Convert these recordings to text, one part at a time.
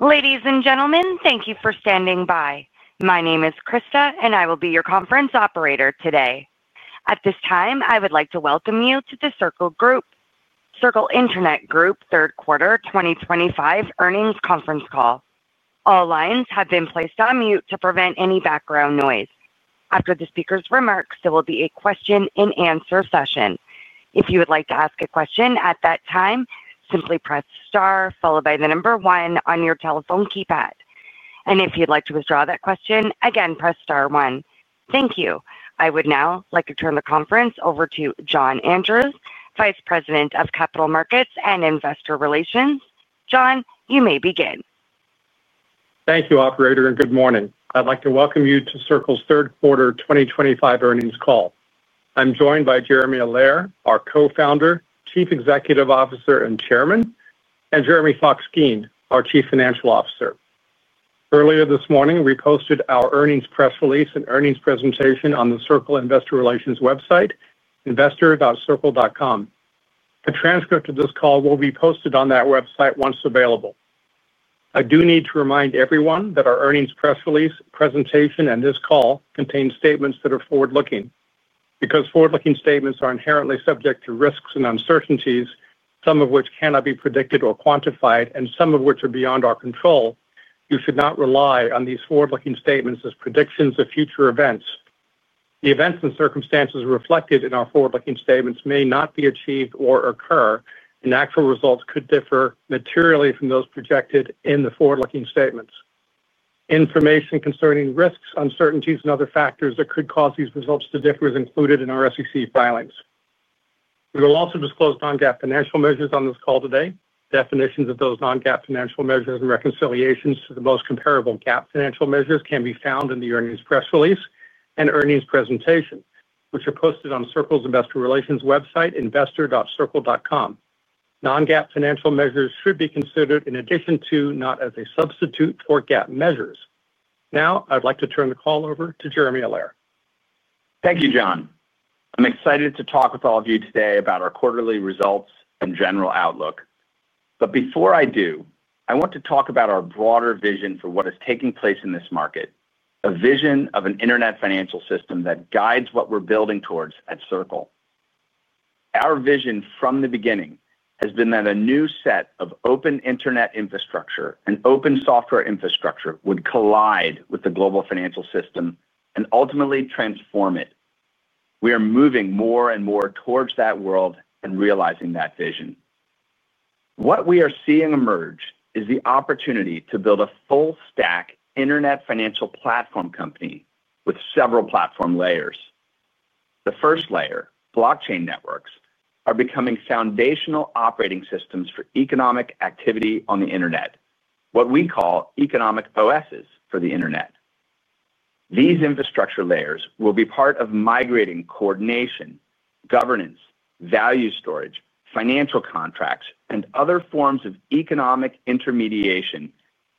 Ladies and gentlemen, thank you for standing by. My name is Krista, and I will be your conference operator today. At this time, I would like to welcome you to the Circle Internet Group third quarter 2025 earnings conference call. All lines have been placed on mute to prevent any background noise. After the speaker's remarks, there will be a question-and-answer session. If you would like to ask a question at that time, simply press star followed by the number one on your telephone keypad. If you'd like to withdraw that question, again, press star one. Thank you. I would now like to turn the conference over to John Andrews, Vice President of Capital Markets and Investor Relations. John, you may begin. Thank you, Operator, and good morning. I'd like to welcome you to Circle's third quarter 2025 earnings call. I'm joined by Jeremy Allaire, our Co-founder, Chief Executive Officer, and Chairman, and Jeremy Fox-Geen, our Chief Financial Officer. Earlier this morning, we posted our earnings press release and earnings presentation on the Circle Investor Relations website, investor.circle.com. A transcript of this call will be posted on that website once available. I do need to remind everyone that our earnings press release, presentation, and this call contain statements that are forward-looking. Because forward-looking statements are inherently subject to risks and uncertainties, some of which cannot be predicted or quantified, and some of which are beyond our control, you should not rely on these forward-looking statements as predictions of future events. The events and circumstances reflected in our forward-looking statements may not be achieved or occur, and actual results could differ materially from those projected in the forward-looking statements. Information concerning risks, uncertainties, and other factors that could cause these results to differ is included in our SEC filings. We will also disclose Non-GAAP financial measures on this call today. Definitions of those Non-GAAP financial measures and reconciliations to the most comparable GAAP financial measures can be found in the earnings press release and earnings presentation, which are posted on Circle's Investor Relations website, investor.circle.com. Non-GAAP financial measures should be considered in addition to, not as a substitute for GAAP measures. Now, I'd like to turn the call over to Jeremy Allaire. Thank you, John. I'm excited to talk with all of you today about our quarterly results and general outlook. Before I do, I want to talk about our broader vision for what is taking place in this market, a vision of an Internet financial system that guides what we're building towards at Circle. Our vision from the beginning has been that a new set of open Internet infrastructure and open software infrastructure would collide with the global financial system and ultimately transform it. We are moving more and more towards that world and realizing that vision. What we are seeing emerge is the opportunity to build a full-stack Internet financial platform company with several platform layers. The first layer, blockchain networks, are becoming foundational operating systems for economic activity on the Internet, what we call economic OSs for the Internet. These infrastructure layers will be part of migrating coordination, governance, value storage, financial contracts, and other forms of economic intermediation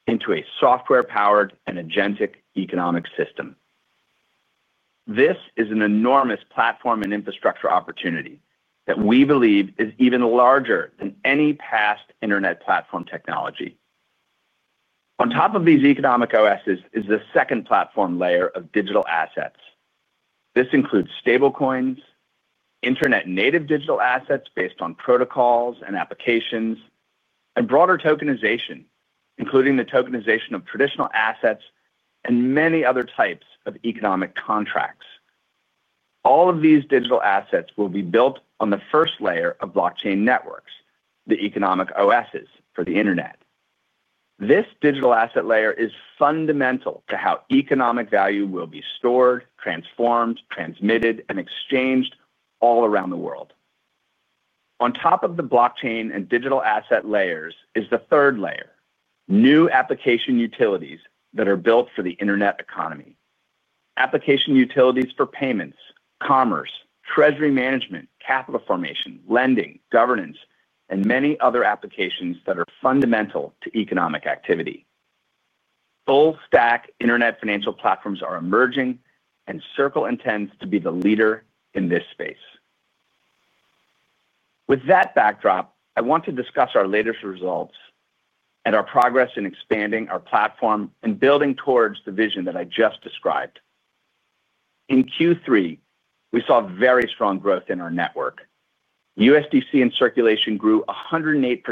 into a software-powered and agentic economic system. This is an enormous platform and infrastructure opportunity that we believe is even larger than any past Internet platform technology. On top of these economic OSs is the second platform layer of digital assets. This includes stablecoins, Internet-native digital assets based on protocols and applications, and broader tokenization, including the tokenization of traditional assets and many other types of economic contracts. All of these digital assets will be built on the first layer of blockchain networks, the economic OSs for the Internet. This digital asset layer is fundamental to how economic value will be stored, transformed, transmitted, and exchanged all around the world. On top of the blockchain and digital asset layers is the third layer, new application utilities that are built for the Internet economy. Application utilities for payments, commerce, treasury management, capital formation, lending, governance, and many other applications that are fundamental to economic activity. Full-stack Internet financial platforms are emerging, and Circle intends to be the leader in this space. With that backdrop, I want to discuss our latest results and our progress in expanding our platform and building towards the vision that I just described. In Q3, we saw very strong growth in our network. USDC in circulation grew 108%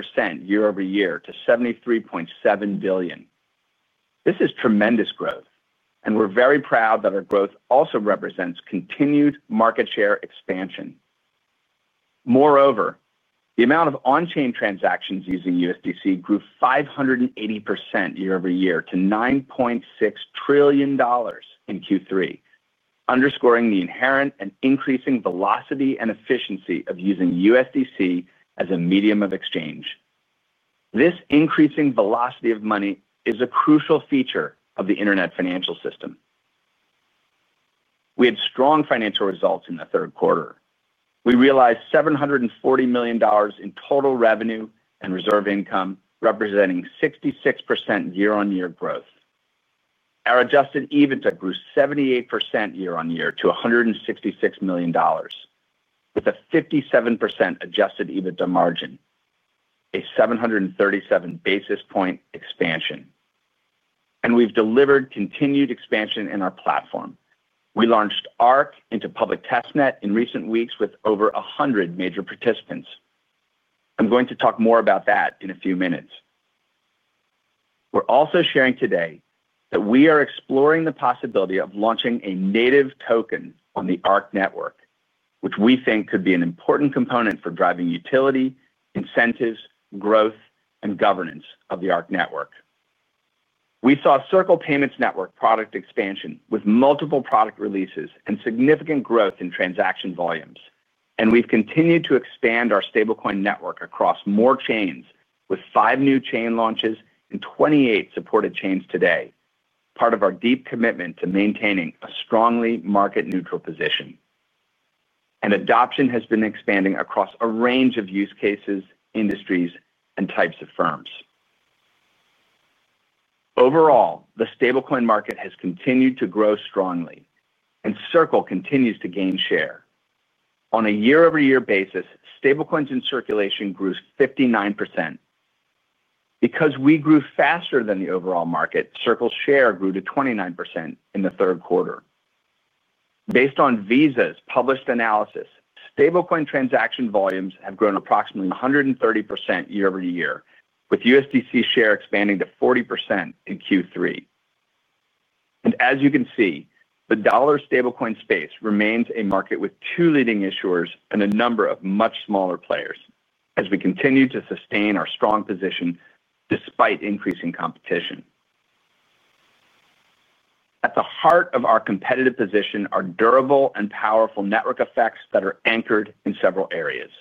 year-over-year to $73.7 billion. This is tremendous growth, and we're very proud that our growth also represents continued market share expansion. Moreover, the amount of on-chain transactions using USDC grew 580% year-over-year to $9.6 trillion in Q3, underscoring the inherent and increasing velocity and efficiency of using USDC as a medium of exchange. This increasing velocity of money is a crucial feature of the Internet financial system. We had strong financial results in the third quarter. We realized $740 million in total revenue and reserve income, representing 66% year-on-year growth. Our adjusted EBITDA grew 78% year-on-year to $166 million, with a 57% adjusted EBITDA margin, a 737 basis point expansion. We have delivered continued expansion in our platform. We launched Arc into public testnet in recent weeks with over 100 major participants. I'm going to talk more about that in a few minutes. We're also sharing today that we are exploring the possibility of launching a native token on the Arc network, which we think could be an important component for driving utility, incentives, growth, and governance of the Arc network. We saw Circle Payments Network product expansion with multiple product releases and significant growth in transaction volumes. We have continued to expand our stablecoin network across more chains, with five new chain launches and 28 supported chains today, part of our deep commitment to maintaining a strongly market-neutral position. Adoption has been expanding across a range of use cases, industries, and types of firms. Overall, the stablecoin market has continued to grow strongly, and Circle continues to gain share. On a year-over-year basis, stablecoins in circulation grew 59%. Because we grew faster than the overall market, Circle's share grew to 29% in the third quarter. Based on Visa's published analysis, stablecoin transaction volumes have grown approximately 130% year-over-year, with USDC share expanding to 40% in Q3. As you can see, the dollar stablecoin space remains a market with two leading issuers and a number of much smaller players as we continue to sustain our strong position despite increasing competition. At the heart of our competitive position are durable and powerful network effects that are anchored in several areas: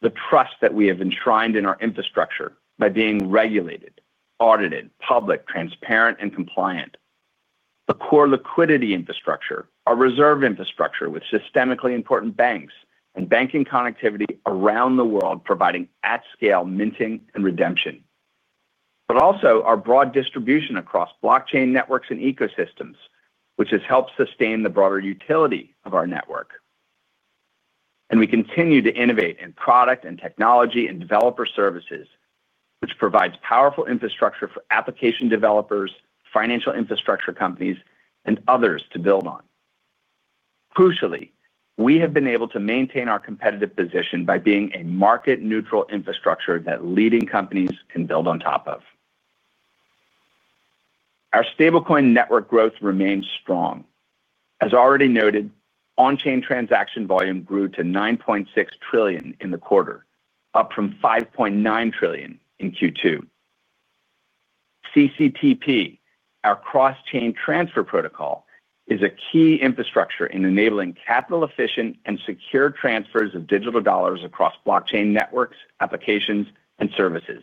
the trust that we have enshrined in our infrastructure by being regulated, audited, public, transparent, and compliant; the core liquidity infrastructure, our reserve infrastructure with systemically important banks and banking connectivity around the world providing at-scale minting and redemption; also our broad distribution across blockchain networks and ecosystems, which has helped sustain the broader utility of our network. We continue to innovate in product and technology and developer services, which provides powerful infrastructure for application developers, financial infrastructure companies, and others to build on. Crucially, we have been able to maintain our competitive position by being a market-neutral infrastructure that leading companies can build on top of. Our stablecoin network growth remains strong. As already noted, on-chain transaction volume grew to $9.6 trillion in the quarter, up from $5.9 trillion in Q2. CCTP, our cross-chain transfer protocol, is a key infrastructure in enabling capital-efficient and secure transfers of digital dollars across blockchain networks, applications, and services.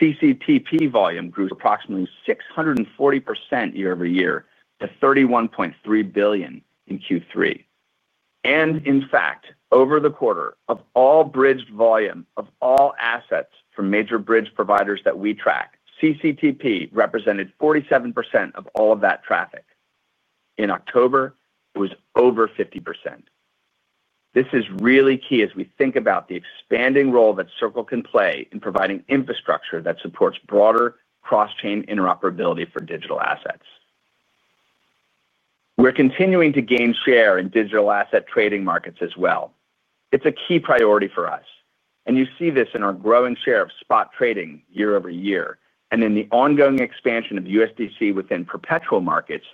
CCTP volume grew approximately 640% year-over-year to $31.3 billion in Q3. In fact, over the quarter, of all bridged volume of all assets from major bridge providers that we track, CCTP represented 47% of all of that traffic. In October, it was over 50%. This is really key as we think about the expanding role that Circle can play in providing infrastructure that supports broader cross-chain interoperability for digital assets. We're continuing to gain share in digital asset trading markets as well. It's a key priority for us. You see this in our growing share of spot trading year-over-year and in the ongoing expansion of USDC within perpetual markets,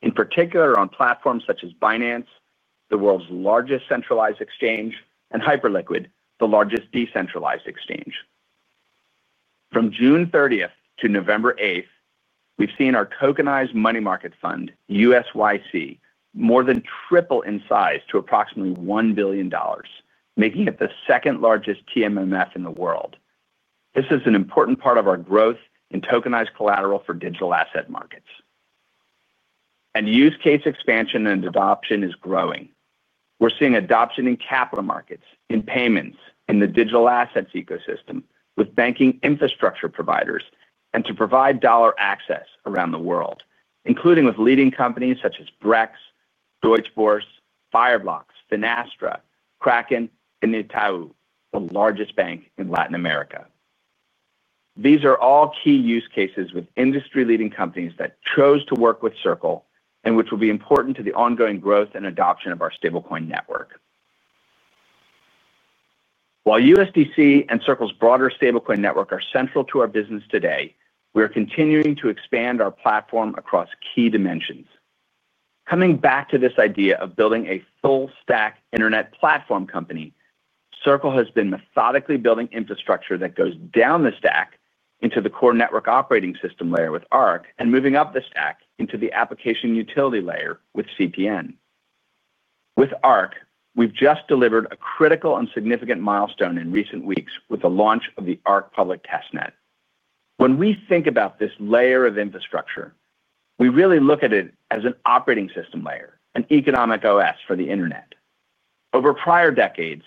in particular on platforms such as Binance, the world's largest centralized exchange, and Hyperliquid, the largest decentralized exchange. From June 30th to November 8th, we've seen our tokenized money market fund, USYC, more than triple in size to approximately $1 billion, making it the second largest TMMF in the world. This is an important part of our growth in tokenized collateral for digital asset markets. Use case expansion and adoption is growing. We're seeing adoption in capital markets, in payments, in the digital assets ecosystem, with banking infrastructure providers, and to provide dollar access around the world, including with leading companies such as Brex, Deutsche Börse, Fireblocks, Finastra, Kraken, and Itaú, the largest bank in Latin America. These are all key use cases with industry-leading companies that chose to work with Circle and which will be important to the ongoing growth and adoption of our stablecoin network. While USDC and Circle's broader stablecoin network are central to our business today, we are continuing to expand our platform across key dimensions. Coming back to this idea of building a full-stack Internet platform company, Circle has been methodically building infrastructure that goes down the stack into the core network operating system layer with Arc and moving up the stack into the application utility layer with CPN. With Arc, we've just delivered a critical and significant milestone in recent weeks with the launch of the Arc public testnet. When we think about this layer of infrastructure, we really look at it as an operating system layer, an economic OS for the Internet. Over prior decades,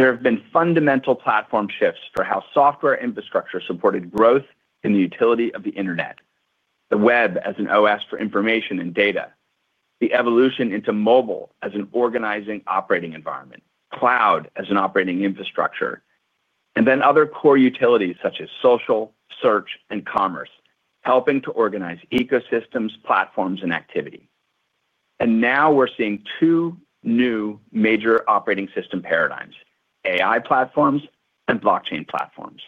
there have been fundamental platform shifts for how software infrastructure supported growth in the utility of the Internet, the web as an OS for information and data, the evolution into mobile as an organizing operating environment, cloud as an operating infrastructure, and then other core utilities such as social, search, and commerce, helping to organize ecosystems, platforms, and activity. Now we're seeing two new major operating system paradigms: AI platforms and blockchain platforms.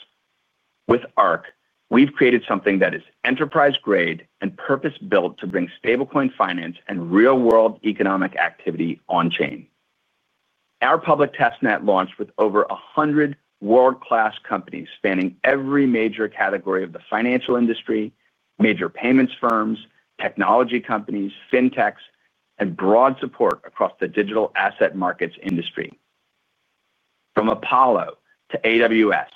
With Arc, we've created something that is enterprise-grade and purpose-built to bring stablecoin finance and real-world economic activity on-chain. Our public testnet launched with over 100 world-class companies spanning every major category of the financial industry, major payments firms, technology companies, fintechs, and broad support across the digital asset markets industry. From Apollo to AWS,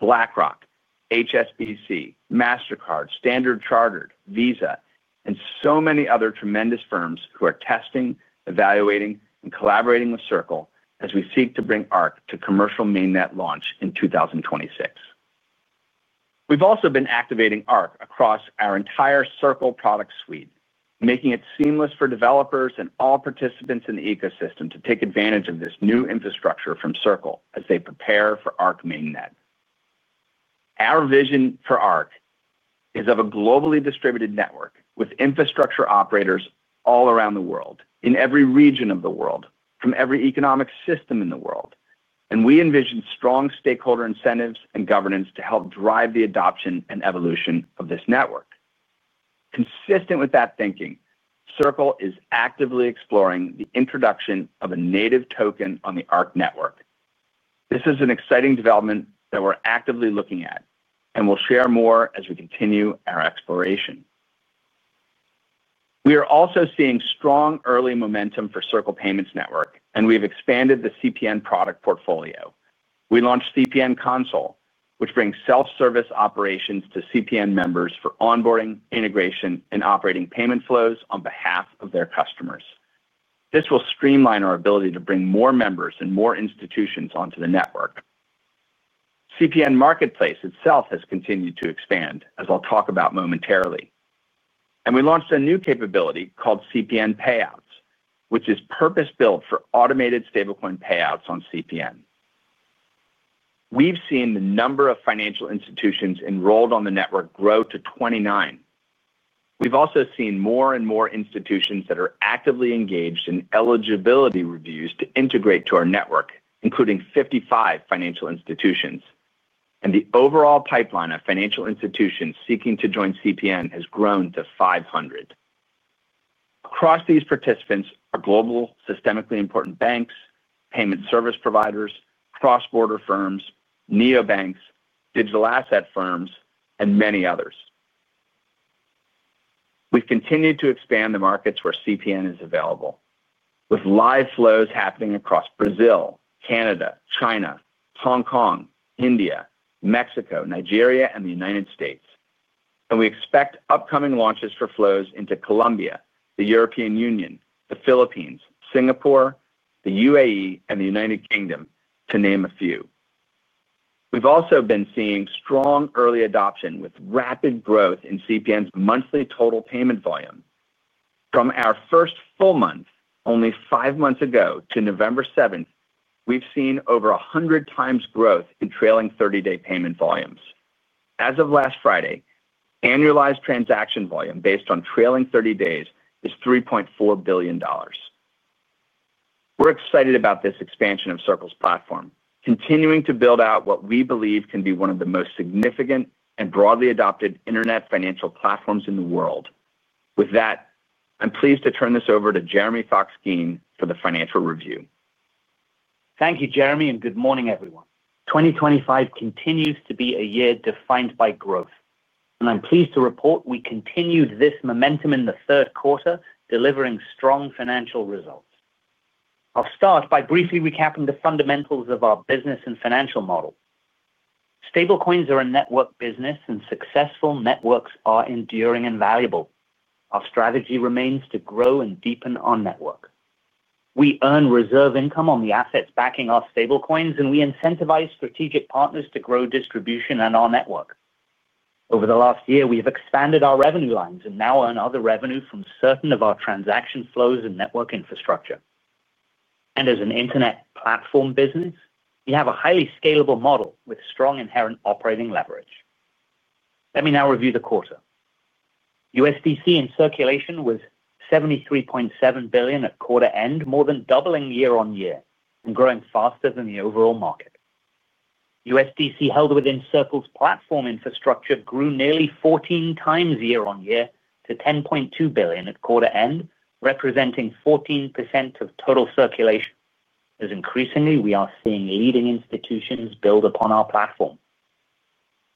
BlackRock, HSBC, Mastercard, Standard Chartered, Visa, and so many other tremendous firms who are testing, evaluating, and collaborating with Circle as we seek to bring Arc to commercial main net launch in 2026. We've also been activating Arc across our entire Circle product suite, making it seamless for developers and all participants in the ecosystem to take advantage of this new infrastructure from Circle as they prepare for Arc main net. Our vision for Arc is of a globally distributed network with infrastructure operators all around the world, in every region of the world, from every economic system in the world. We envision strong stakeholder incentives and governance to help drive the adoption and evolution of this network. Consistent with that thinking, Circle is actively exploring the introduction of a native token on the Arc network. This is an exciting development that we're actively looking at, and we'll share more as we continue our exploration. We are also seeing strong early momentum for Circle Payments Network, and we've expanded the CPN product portfolio. We launched CPN Console, which brings self-service operations to CPN members for onboarding, integration, and operating payment flows on behalf of their customers. This will streamline our ability to bring more members and more institutions onto the network. CPN Marketplace itself has continued to expand, as I'll talk about momentarily. We launched a new capability called CPN Payouts, which is purpose-built for automated stablecoin payouts on CPN. We've seen the number of financial institutions enrolled on the network grow to 29. We've also seen more and more institutions that are actively engaged in eligibility reviews to integrate to our network, including 55 financial institutions. The overall pipeline of financial institutions seeking to join CPN has grown to 500. Across these participants are global, systemically important banks, payment service providers, cross-border firms, neobanks, digital asset firms, and many others. We've continued to expand the markets where CPN is available, with live flows happening across Brazil, Canada, China, Hong Kong, India, Mexico, Nigeria, and the United States. We expect upcoming launches for flows into Colombia, the European Union, the Philippines, Singapore, the UAE, and the United Kingdom, to name a few. We've also been seeing strong early adoption with rapid growth in CPN's monthly total payment volume. From our first full month, only five months ago, to November 7th, we've seen over 100x growth in trailing 30-day payment volumes. As of last Friday, annualized transaction volume based on trailing 30 days is $3.4 billion. We're excited about this expansion of Circle's platform, continuing to build out what we believe can be one of the most significant and broadly adopted Internet financial platforms in the world. With that, I'm pleased to turn this over to Jeremy Fox-Geen for the financial review. Thank you, Jeremy, and good morning, everyone. 2025 continues to be a year defined by growth. I'm pleased to report we continued this momentum in the third quarter, delivering strong financial results. I'll start by briefly recapping the fundamentals of our business and financial model. Stablecoins are a network business, and successful networks are enduring and valuable. Our strategy remains to grow and deepen our network. We earn reserve income on the assets backing our stablecoins, and we incentivize strategic partners to grow distribution and our network. Over the last year, we have expanded our revenue lines and now earn other revenue from certain of our transaction flows and network infrastructure. As an Internet platform business, we have a highly scalable model with strong inherent operating leverage. Let me now review the quarter. USDC in circulation was $73.7 billion at quarter-end, more than doubling year-on-year and growing faster than the overall market. USDC held within Circle's platform infrastructure grew nearly 14x year-on-year to $10.2 billion at quarter-end, representing 14% of total circulation. As increasingly, we are seeing leading institutions build upon our platform.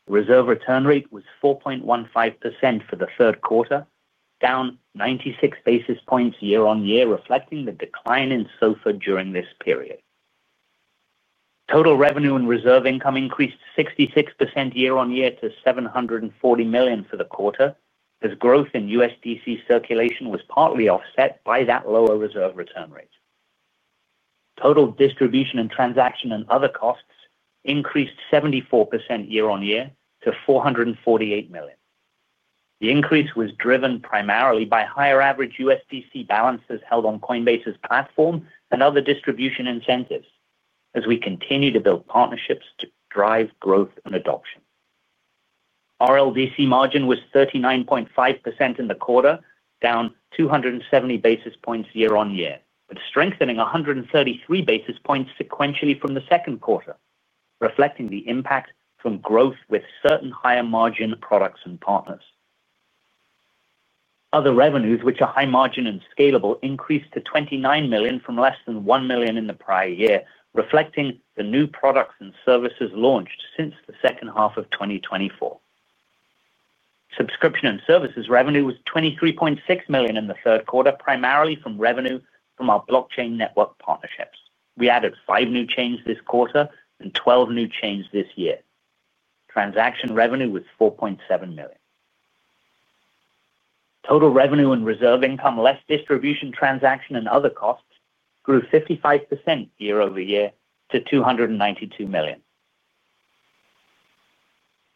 Reserve return rate was 4.15% for the third quarter, down 96 basis points year-on-year, reflecting the decline in SOFR during this period. Total revenue and reserve income increased 66% year-on-year to $740 million for the quarter, as growth in USDC circulation was partly offset by that lower reserve return rate. Total distribution and transaction and other costs increased 74% year-on-year to $448 million. The increase was driven primarily by higher average USDC balances held on Coinbase's platform and other distribution incentives, as we continue to build partnerships to drive growth and adoption. RLDC margin was 39.5% in the quarter, down 270 basis points year-on-year, but strengthening 133 basis points sequentially from the second quarter, reflecting the impact from growth with certain higher margin products and partners. Other revenues, which are high margin and scalable, increased to $29 million from less than $1 million in the prior year, reflecting the new products and services launched since the second half of 2024. Subscription and services revenue was $23.6 million in the third quarter, primarily from revenue from our blockchain network partnerships. We added five new chains this quarter and 12 new chains this year. Transaction revenue was $4.7 million. Total revenue and reserve income, less distribution transaction and other costs, grew 55% year-over-year to $292 million.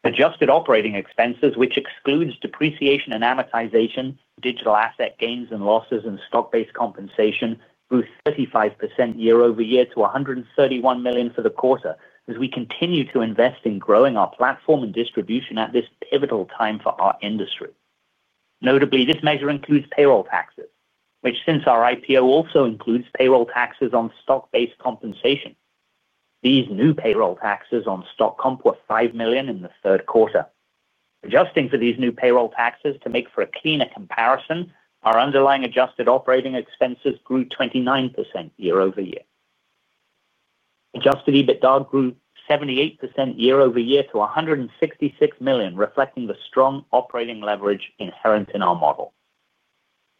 Adjusted operating expenses, which excludes depreciation and amortization, digital asset gains and losses, and stock-based compensation, grew 35% year-over-year to $131 million for the quarter, as we continue to invest in growing our platform and distribution at this pivotal time for our industry. Notably, this measure includes payroll taxes, which since our IPO also includes payroll taxes on stock-based compensation. These new payroll taxes on stock comp were $5 million in the third quarter. Adjusting for these new payroll taxes to make for a cleaner comparison, our underlying adjusted operating expenses grew 29% year-over-year. Adjusted EBITDA grew 78% year-over-year to $166 million, reflecting the strong operating leverage inherent in our model.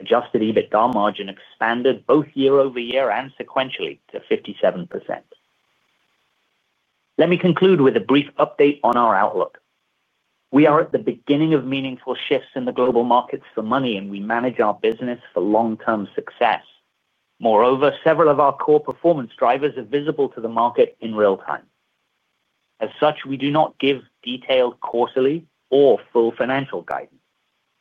Adjusted EBITDA margin expanded both year-over-year and sequentially to 57%. Let me conclude with a brief update on our outlook. We are at the beginning of meaningful shifts in the global markets for money, and we manage our business for long-term success. Moreover, several of our core performance drivers are visible to the market in real time. As such, we do not give detailed quarterly or full financial guidance.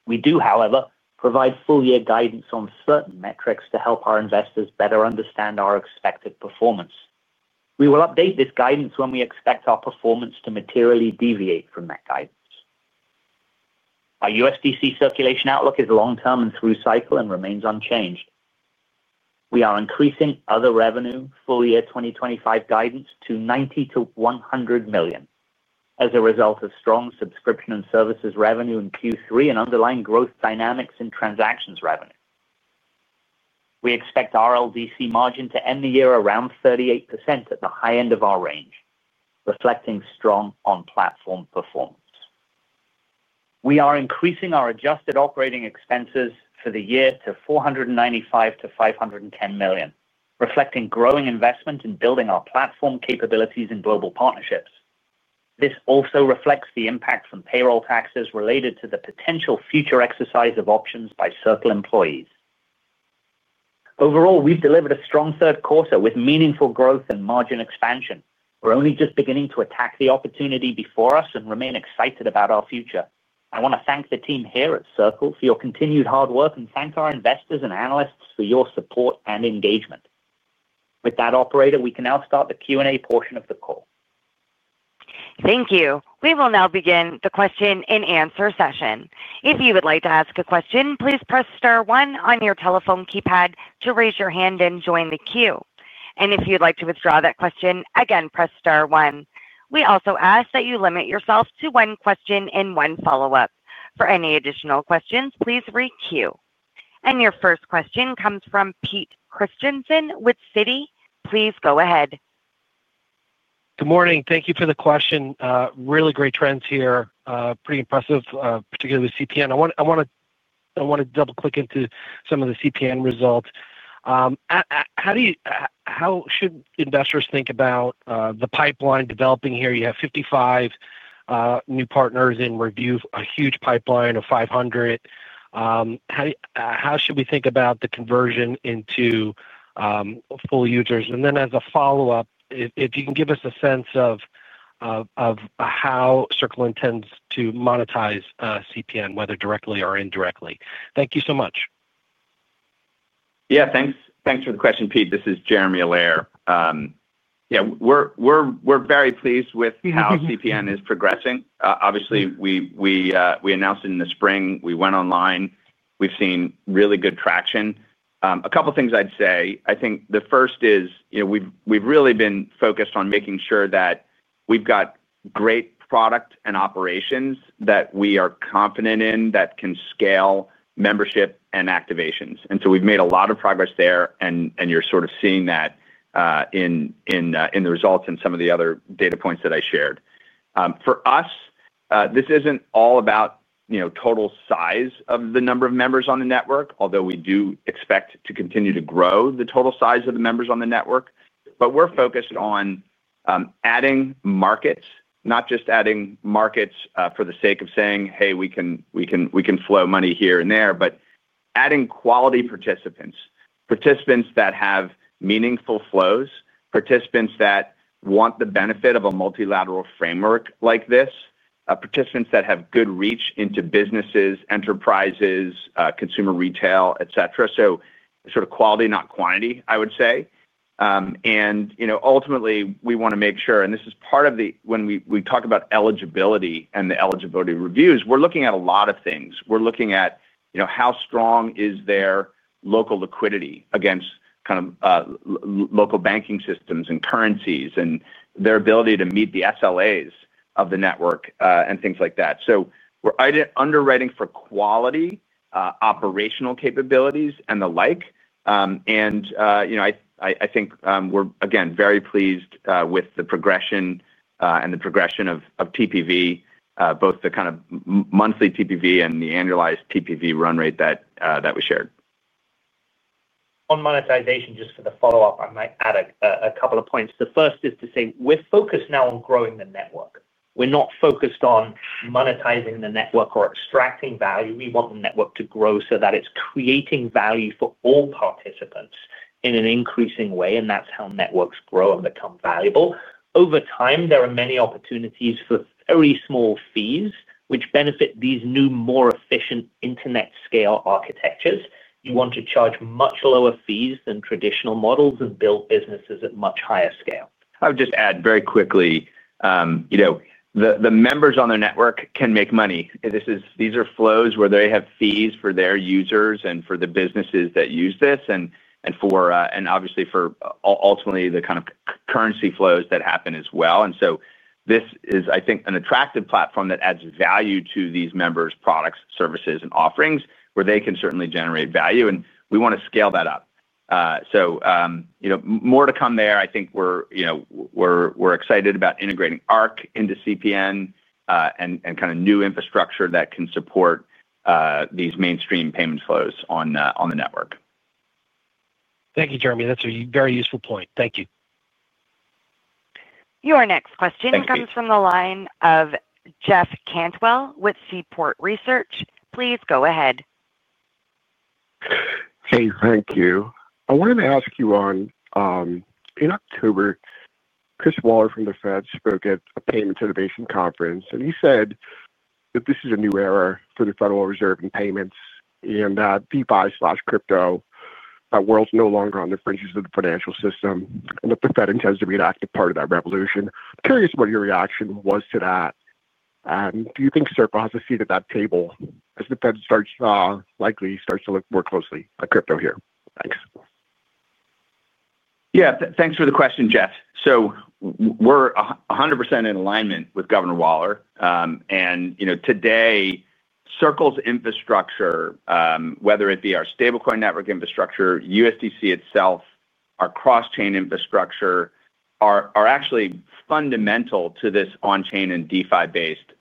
We do, however, provide full-year guidance on certain metrics to help our investors better understand our expected performance. We will update this guidance when we expect our performance to materially deviate from that guidance. Our USDC circulation outlook is long-term and through cycle and remains unchanged. We are increasing other revenue full-year 2025 guidance to $90-$100 million as a result of strong subscription and services revenue in Q3 and underlying growth dynamics in transactions revenue. We expect RLDC margin to end the year around 38% at the high end of our range, reflecting strong on-platform performance. We are increasing our adjusted operating expenses for the year to $495-$510 million, reflecting growing investment in building our platform capabilities and global partnerships. This also reflects the impact from payroll taxes related to the potential future exercise of options by Circle employees. Overall, we've delivered a strong third quarter with meaningful growth and margin expansion. We're only just beginning to attack the opportunity before us and remain excited about our future. I want to thank the team here at Circle for your continued hard work and thank our investors and analysts for your support and engagement. With that, operator, we can now start the Q&A portion of the call. Thank you. We will now begin the question and answer session. If you would like to ask a question, please press star one on your telephone keypad to raise your hand and join the queue. If you'd like to withdraw that question, again, press star one. We also ask that you limit yourself to one question and one follow-up. For any additional questions, please re-queue. Your first question comes from Pete Christiansen with Citi. Please go ahead. Good morning. Thank you for the question. Really great trends here. Pretty impressive, particularly with CPN. I want to double-click into some of the CPN results. How should investors think about the pipeline developing here? You have 55 new partners in review, a huge pipeline of 500. How should we think about the conversion into full users? As a follow-up, if you can give us a sense of how Circle intends to monetize CPN, whether directly or indirectly. Thank you so much. Yeah, thanks for the question, Pete. This is Jeremy Allaire. Yeah, we're very pleased with how CPN is progressing. Obviously, we announced it in the spring. We went online. We've seen really good traction. A couple of things I'd say. I think the first is we've really been focused on making sure that we've got great product and operations that we are confident in that can scale membership and activations. We've made a lot of progress there, and you're sort of seeing that in the results and some of the other data points that I shared. For us, this isn't all about total size of the number of members on the network, although we do expect to continue to grow the total size of the members on the network. We're focused on adding markets, not just adding markets for the sake of saying, "Hey, we can flow money here and there," but adding quality participants, participants that have meaningful flows, participants that want the benefit of a multilateral framework like this, participants that have good reach into businesses, enterprises, consumer retail, etc. Sort of quality, not quantity, I would say. Ultimately, we want to make sure, and this is part of the when we talk about eligibility and the eligibility reviews, we're looking at a lot of things. We're looking at how strong is their local liquidity against kind of local banking systems and currencies and their ability to meet the SLAs of the network and things like that. We're underwriting for quality, operational capabilities, and the like. I think we're, again, very pleased with the progression and the progression of TPV, both the kind of monthly TPV and the annualized TPV run rate that we shared. On monetization, just for the follow-up, I might add a couple of points. The first is to say we're focused now on growing the network. We're not focused on monetizing the network or extracting value. We want the network to grow so that it's creating value for all participants in an increasing way, and that's how networks grow and become valuable. Over time, there are many opportunities for very small fees, which benefit these new, more efficient Internet-scale architectures. You want to charge much lower fees than traditional models and build businesses at much higher scale. I would just add very quickly, the members on the network can make money. These are flows where they have fees for their users and for the businesses that use this and, obviously, for ultimately the kind of currency flows that happen as well. This is, I think, an attractive platform that adds value to these members' products, services, and offerings where they can certainly generate value. We want to scale that up. More to come there. I think we're excited about integrating Arc into CPN and kind of new infrastructure that can support these mainstream payment flows on the network. Thank you, Jeremy. That's a very useful point. Thank you. Your next question comes from the line of Jeff Cantwell with Seaport Research. Please go ahead. Hey, thank you. I wanted to ask you on in October, Chris Waller from the Fed spoke at a payments innovation conference, and he said that this is a new era for the Federal Reserve in payments and DeFi/crypto. That world's no longer on the fringes of the financial system and that the Fed intends to be an active part of that revolution. Curious what your reaction was to that. Do you think Circle has a seat at that table as the Fed likely starts to look more closely at crypto here? Thanks. Yeah, thanks for the question, Jeff. We're 100% in alignment with Governor Waller. Today, Circle's infrastructure, whether it be our stablecoin network infrastructure, USDC itself, our cross-chain infrastructure, are actually fundamental to this on-chain and DeFi-based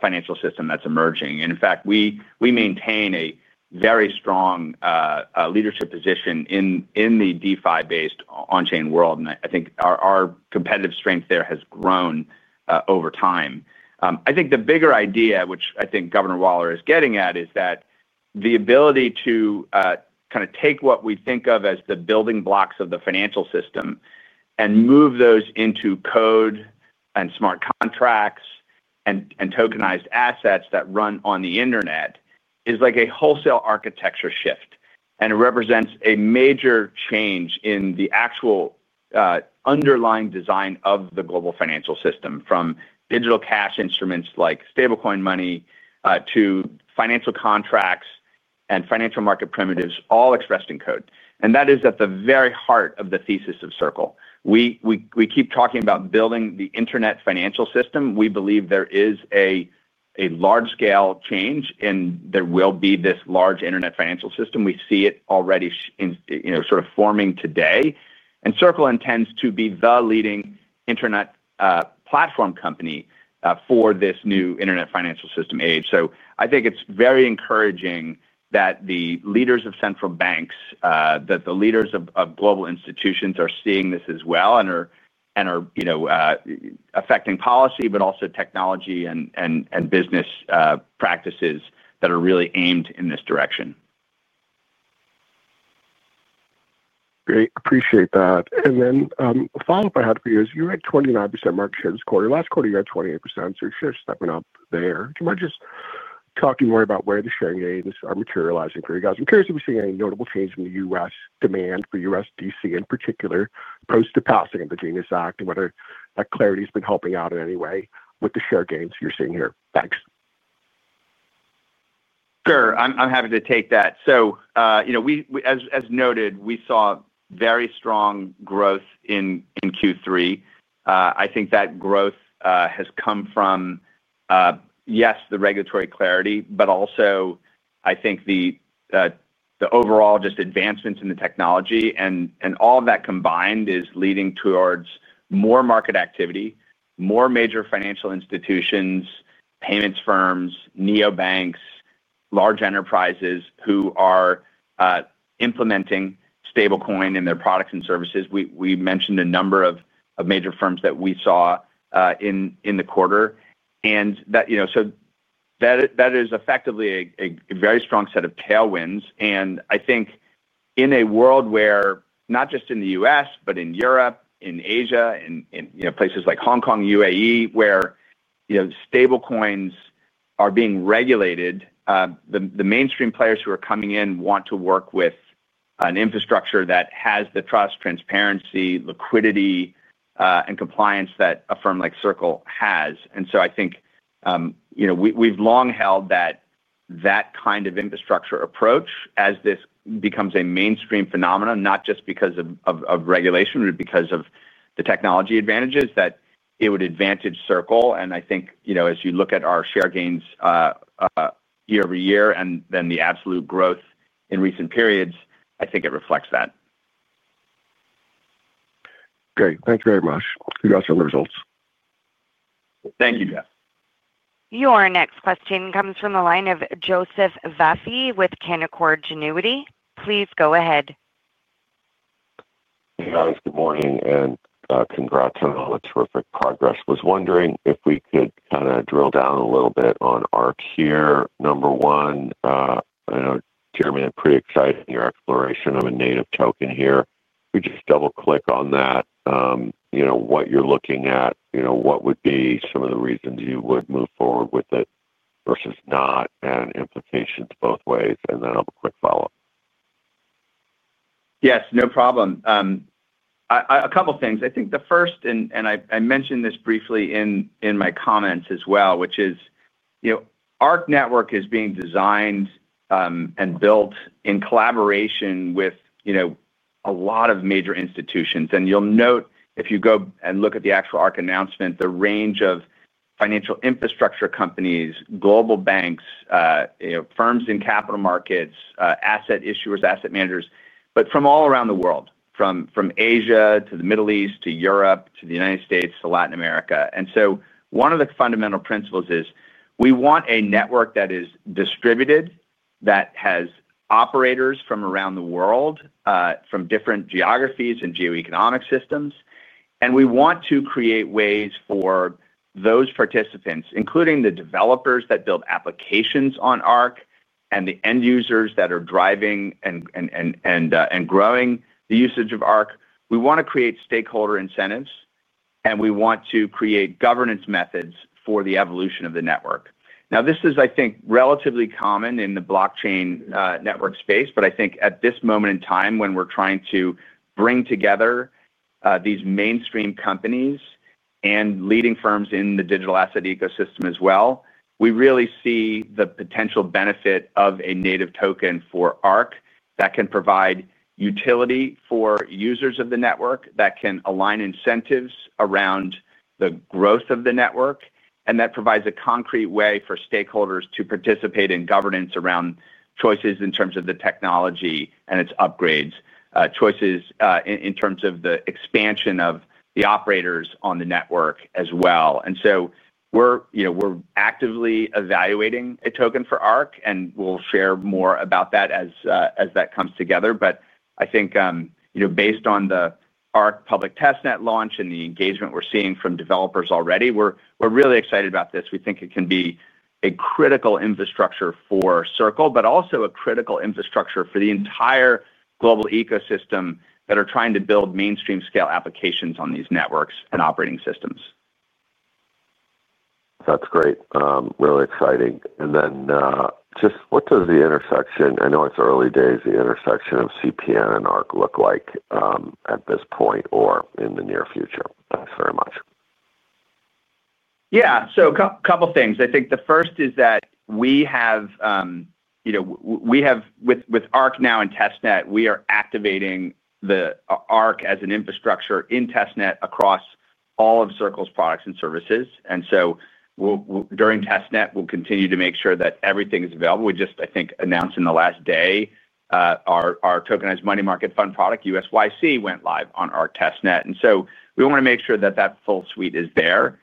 financial system that's emerging. In fact, we maintain a very strong leadership position in the DeFi-based on-chain world. I think our competitive strength there has grown over time. I think the bigger idea, which I think Governor Waller is getting at, is that the ability to kind of take what we think of as the building blocks of the financial system and move those into code and smart contracts and tokenized assets that run on the internet is like a wholesale architecture shift. It represents a major change in the actual underlying design of the global financial system from digital cash instruments like stablecoin money to financial contracts and financial market primitives, all expressed in code. That is at the very heart of the thesis of Circle. We keep talking about building the internet financial system. We believe there is a large-scale change and there will be this large internet financial system. We see it already sort of forming today. Circle intends to be the leading internet platform company for this new internet financial system age. I think it is very encouraging that the leaders of central banks, that the leaders of global institutions are seeing this as well and are affecting policy, but also technology and business practices that are really aimed in this direction. Great. Appreciate that. A follow-up I had for you is you had 29% market share this quarter. Last quarter, you had 28%. You're stepping up there. Do you mind just talking more about where the share gains are materializing for you guys? I'm curious if you're seeing any notable change in the U.S. demand for USDC in particular post the passing of the Genius Act and whether that clarity has been helping out in any way with the share gains you're seeing here. Thanks. Sure. I'm happy to take that. As noted, we saw very strong growth in Q3. I think that growth has come from, yes, the regulatory clarity, but also I think the overall just advancements in the technology and all of that combined is leading towards more market activity, more major financial institutions, payments firms, neobanks, large enterprises who are implementing stablecoin in their products and services. We mentioned a number of major firms that we saw in the quarter. That is effectively a very strong set of tailwinds. I think in a world where not just in the U.S., but in Europe, in Asia, in places like Hong Kong, UAE, where stablecoins are being regulated, the mainstream players who are coming in want to work with an infrastructure that has the trust, transparency, liquidity, and compliance that a firm like Circle has. I think we've long held that kind of infrastructure approach as this becomes a mainstream phenomenon, not just because of regulation, but because of the technology advantages that it would advantage Circle. I think as you look at our share gains year-over-year and then the absolute growth in recent periods, I think it reflects that. Great. Thank you very much. Congrats on the results. Thank you, Jeff. Your next question comes from the line of Joseph Vafi with Canaccord Genuity. Please go ahead. Hey, guys. Good morning and congrats on all the terrific progress. Was wondering if we could kind of drill down a little bit on Arc here. Number one, Jeremy, I'm pretty excited in your exploration of a native token here. Could you just double-click on that? What you're looking at, what would be some of the reasons you would move forward with it versus not and implications both ways? I have a quick follow-up. Yes, no problem. A couple of things. I think the first, and I mentioned this briefly in my comments as well, which is Arc Network is being designed and built in collaboration with a lot of major institutions. You will note if you go and look at the actual Arc announcement, the range of financial infrastructure companies, global banks, firms in capital markets, asset issuers, asset managers, but from all around the world, from Asia to the Middle East to Europe to the United States to Latin America. One of the fundamental principles is we want a network that is distributed, that has operators from around the world, from different geographies and geoeconomic systems. We want to create ways for those participants, including the developers that build applications on Arc and the end users that are driving and growing the usage of Arc. We want to create stakeholder incentives, and we want to create governance methods for the evolution of the network. Now, this is, I think, relatively common in the blockchain network space, but I think at this moment in time when we're trying to bring together these mainstream companies and leading firms in the digital asset ecosystem as well, we really see the potential benefit of a native token for Arc that can provide utility for users of the network, that can align incentives around the growth of the network, and that provides a concrete way for stakeholders to participate in governance around choices in terms of the technology and its upgrades, choices in terms of the expansion of the operators on the network as well. We are actively evaluating a token for Arc, and we'll share more about that as that comes together. I think based on the Arc public testnet launch and the engagement we're seeing from developers already, we're really excited about this. We think it can be a critical infrastructure for Circle, but also a critical infrastructure for the entire global ecosystem that are trying to build mainstream-scale applications on these networks and operating systems. That's great. Really exciting. Just what does the intersection, I know it's early days, the intersection of CPN and Arc look like at this point or in the near future? Thanks very much. Yeah. So a couple of things. I think the first is that we have, with Arc now in testnet, we are activating the Arc as an infrastructure in testnet across all of Circle's products and services. During testnet, we'll continue to make sure that everything is available. We just, I think, announced in the last day our tokenized money market fund product, USYC, went live on our testnet. We want to make sure that that full suite is there.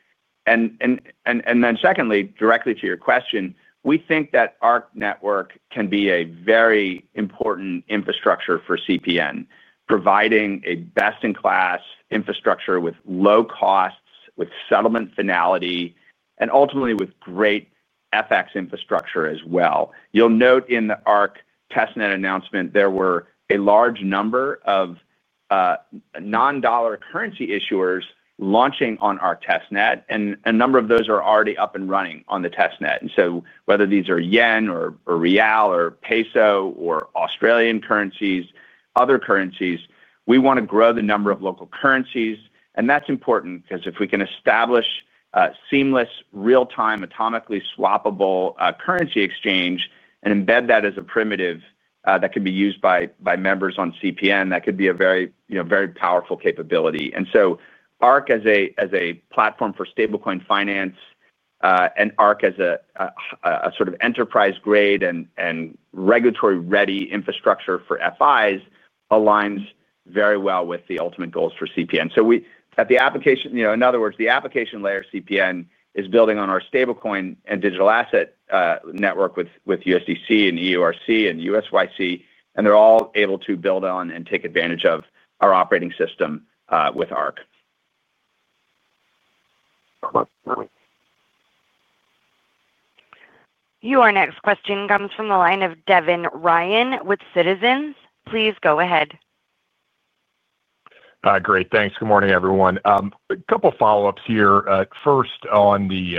Secondly, directly to your question, we think that Arc Network can be a very important infrastructure for CPN, providing a best-in-class infrastructure with low costs, with settlement finality, and ultimately with great FX infrastructure as well. You'll note in the Arc testnet announcement, there were a large number of non-dollar currency issuers launching on our testnet, and a number of those are already up and running on the testnet. Whether these are Yen or Riyal or Peso or Australian currencies, other currencies, we want to grow the number of local currencies. That's important because if we can establish seamless, real-time, atomically swappable currency exchange and embed that as a primitive that can be used by members on CPN, that could be a very powerful capability. Arc as a platform for stablecoin finance and Arc as a sort of enterprise-grade and regulatory-ready infrastructure for FIs aligns very well with the ultimate goals for CPN. In other words, the application layer CPN is building on our stablecoin and digital asset network with USDC and EURC and USYC, and they're all able to build on and take advantage of our operating system with Arc. Your next question comes from the line of Devin Ryan with Citizens. Please go ahead. Great. Thanks. Good morning, everyone. A couple of follow-ups here. First, on the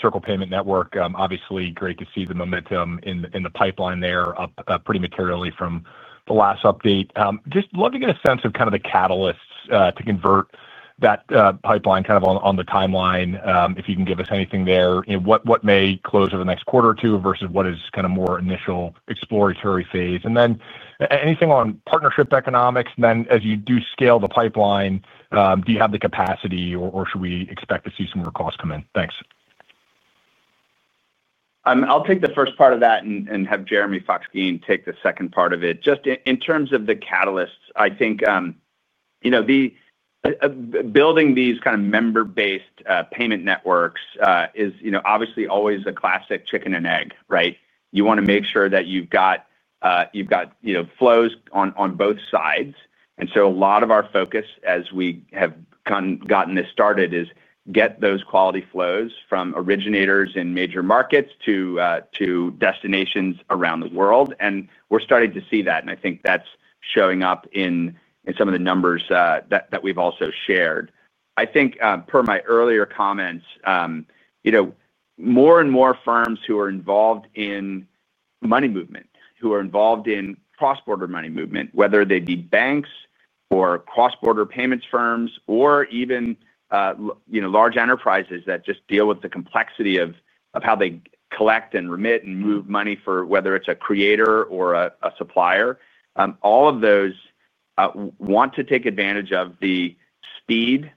Circle Payments Network, obviously great to see the momentum in the pipeline there pretty materially from the last update. Just love to get a sense of kind of the catalysts to convert that pipeline kind of on the timeline. If you can give us anything there, what may close over the next quarter or two versus what is kind of more initial exploratory phase? Anything on partnership economics? As you do scale the pipeline, do you have the capacity or should we expect to see some more costs come in? Thanks. I'll take the first part of that and have Jeremy Fox-Geen take the second part of it. Just in terms of the catalysts, I think building these kind of member-based payment networks is obviously always a classic chicken and egg, right? You want to make sure that you've got flows on both sides. A lot of our focus as we have gotten this started is get those quality flows from originators in major markets to destinations around the world. We're starting to see that. I think that's showing up in some of the numbers that we've also shared. I think per my earlier comments, more and more firms who are involved in money movement, who are involved in cross-border money movement, whether they be banks or cross-border payments firms or even large enterprises that just deal with the complexity of how they collect and remit and move money, whether it's a creator or a supplier, all of those want to take advantage of the speed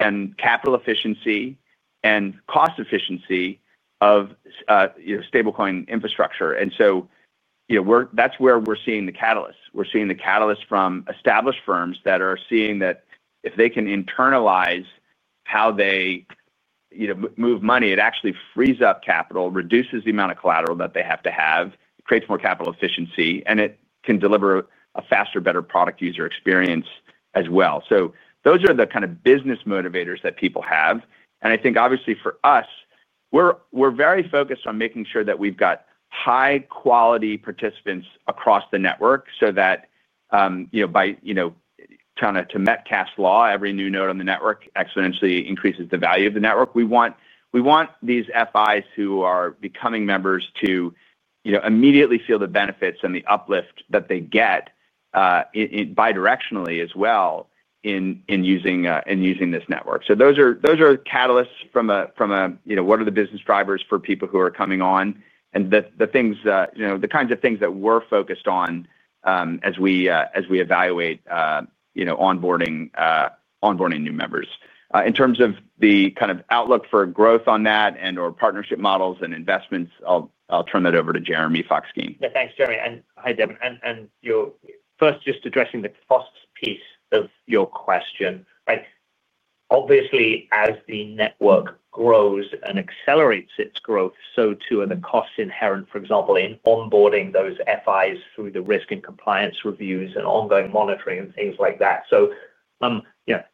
and capital efficiency and cost efficiency of stablecoin infrastructure. That is where we're seeing the catalysts. We're seeing the catalysts from established firms that are seeing that if they can internalize how they move money, it actually frees up capital, reduces the amount of collateral that they have to have, creates more capital efficiency, and it can deliver a faster, better product user experience as well. Those are the kind of business motivators that people have. I think obviously for us, we're very focused on making sure that we've got high-quality participants across the network so that by kind of to Metcalfe's law, every new node on the network exponentially increases the value of the network. We want these FIs who are becoming members to immediately feel the benefits and the uplift that they get bidirectionally as well in using this network. Those are catalysts from what are the business drivers for people who are coming on and the kinds of things that we're focused on as we evaluate onboarding new members. In terms of the kind of outlook for growth on that and/or partnership models and investments, I'll turn that over to Jeremy Fox-Geen. Yeah. Thanks, Jeremy. Hi, Devin. First, just addressing the cost piece of your question. Obviously, as the network grows and accelerates its growth, so too are the costs inherent, for example, in onboarding those FIs through the risk and compliance reviews and ongoing monitoring and things like that.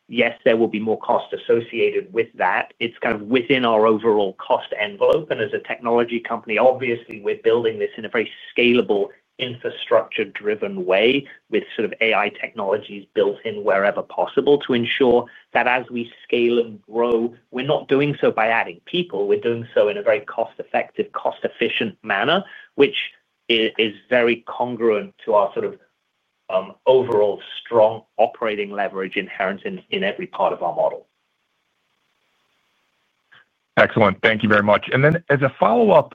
Yes, there will be more cost associated with that. It is kind of within our overall cost envelope. As a technology company, obviously, we are building this in a very scalable infrastructure-driven way with sort of AI technologies built in wherever possible to ensure that as we scale and grow, we are not doing so by adding people. We are doing so in a very cost-effective, cost-efficient manner, which is very congruent to our sort of overall strong operating leverage inherent in every part of our model. Excellent. Thank you very much. As a follow-up,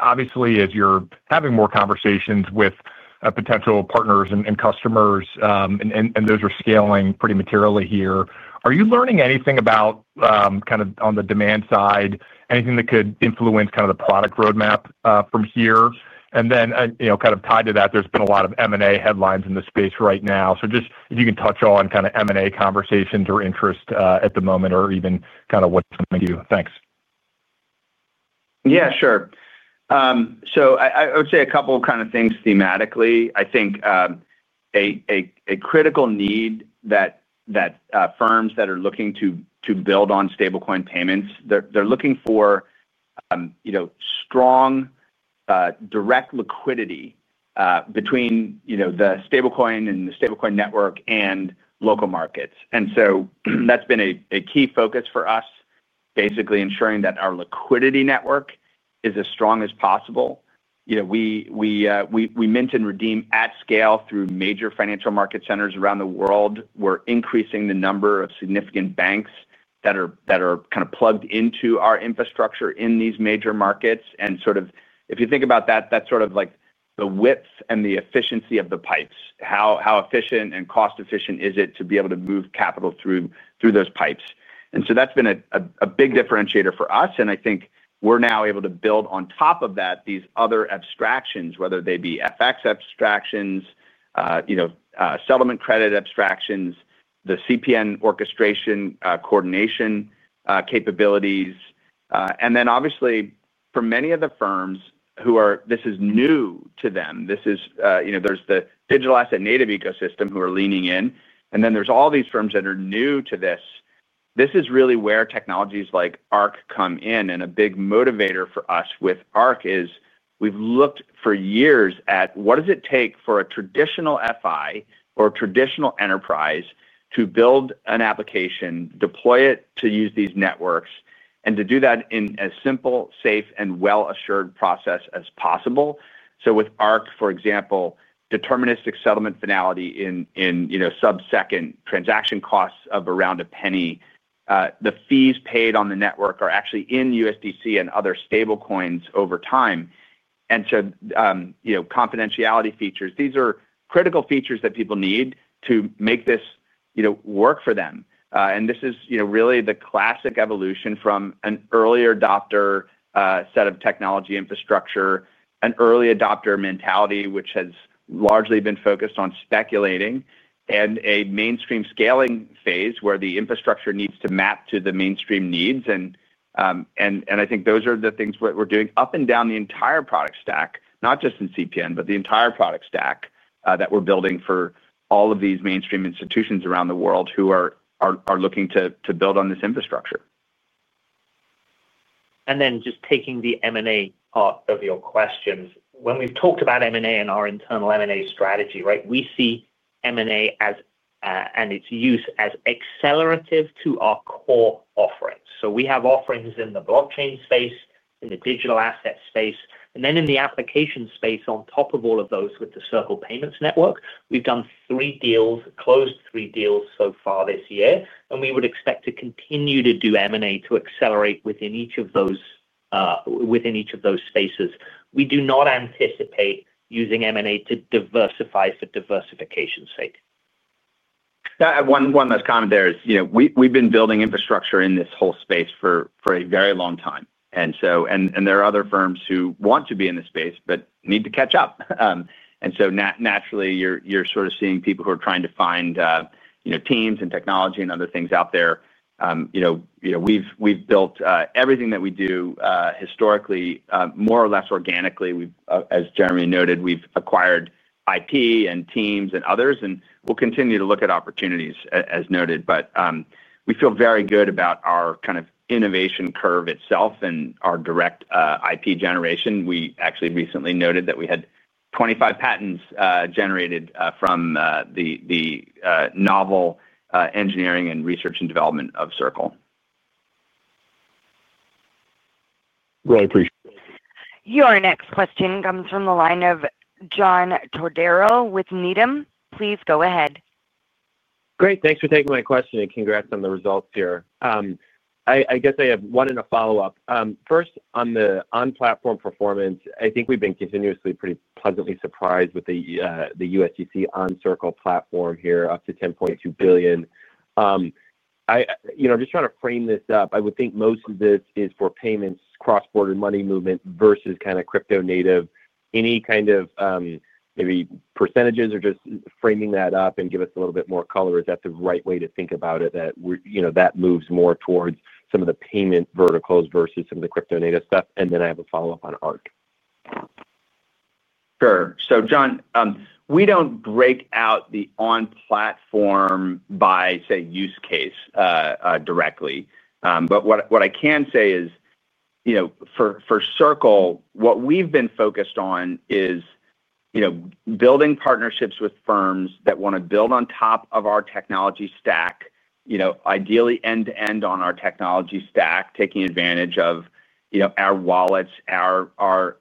obviously, as you're having more conversations with potential partners and customers, and those are scaling pretty materially here, are you learning anything about kind of on the demand side, anything that could influence kind of the product roadmap from here? Tied to that, there's been a lot of M&A headlines in the space right now. Just if you can touch on kind of M&A conversations or interest at the moment or even kind of what's coming to you. Thanks. Yeah, sure. I would say a couple of kind of things thematically. I think a critical need that firms that are looking to build on stablecoin payments, they're looking for strong direct liquidity between the stablecoin and the stablecoin network and local markets. That has been a key focus for us, basically ensuring that our liquidity network is as strong as possible. We mint and redeem at scale through major financial market centers around the world. We're increasing the number of significant banks that are kind of plugged into our infrastructure in these major markets. If you think about that, that's sort of like the width and the efficiency of the pipes. How efficient and cost-efficient is it to be able to move capital through those pipes? That has been a big differentiator for us. I think we're now able to build on top of that these other abstractions, whether they be FX abstractions, settlement credit abstractions, the CPN orchestration coordination capabilities. Obviously, for many of the firms who are this is new to them, there's the digital asset native ecosystem who are leaning in. There are all these firms that are new to this. This is really where technologies like Arc come in. A big motivator for us with Arc is we've looked for years at what does it take for a traditional FI or traditional enterprise to build an application, deploy it to use these networks, and to do that in a simple, safe, and well-assured process as possible. With Arc, for example, deterministic settlement finality in sub-second transaction costs of around a penny, the fees paid on the network are actually in USDC and other stablecoins over time. Confidentiality features, these are critical features that people need to make this work for them. This is really the classic evolution from an early adopter set of technology infrastructure, an early adopter mentality, which has largely been focused on speculating, and a mainstream scaling phase where the infrastructure needs to map to the mainstream needs. I think those are the things we're doing up and down the entire product stack, not just in CPN, but the entire product stack that we're building for all of these mainstream institutions around the world who are looking to build on this infrastructure. Just taking the M&A part of your questions, when we've talked about M&A and our internal M&A strategy, right, we see M&A and its use as accelerative to our core offerings. We have offerings in the blockchain space, in the digital asset space, and then in the application space on top of all of those with the Circle Payments Network. We've done three deals, closed three deals so far this year, and we would expect to continue to do M&A to accelerate within each of those spaces. We do not anticipate using M&A to diversify for diversification's sake. One that's common there is we've been building infrastructure in this whole space for a very long time. There are other firms who want to be in this space but need to catch up. Naturally, you're sort of seeing people who are trying to find teams and technology and other things out there. We've built everything that we do historically more or less organically. As Jeremy noted, we've acquired IP and teams and others, and we'll continue to look at opportunities as noted. We feel very good about our kind of innovation curve itself and our direct IP generation. We actually recently noted that we had 25 patents generated from the novel engineering and research and development of Circle. Really appreciate it. Your next question comes from the line of John Todaro with Needham. Please go ahead. Great. Thanks for taking my question and congrats on the results here. I guess I have one and a follow-up. First, on the on-platform performance, I think we've been continuously pretty pleasantly surprised with the USDC on Circle platform here, up to $10.2 billion. I'm just trying to frame this up. I would think most of this is for payments, cross-border money movement versus kind of crypto-native. Any kind of maybe percentages or just framing that up and give us a little bit more color is that the right way to think about it, that that moves more towards some of the payment verticals versus some of the crypto-native stuff? I have a follow-up on Arc. Sure. John, we do not break out the on-platform by, say, use case directly. What I can say is for Circle, what we have been focused on is building partnerships with firms that want to build on top of our technology stack, ideally end-to-end on our technology stack, taking advantage of our wallets, our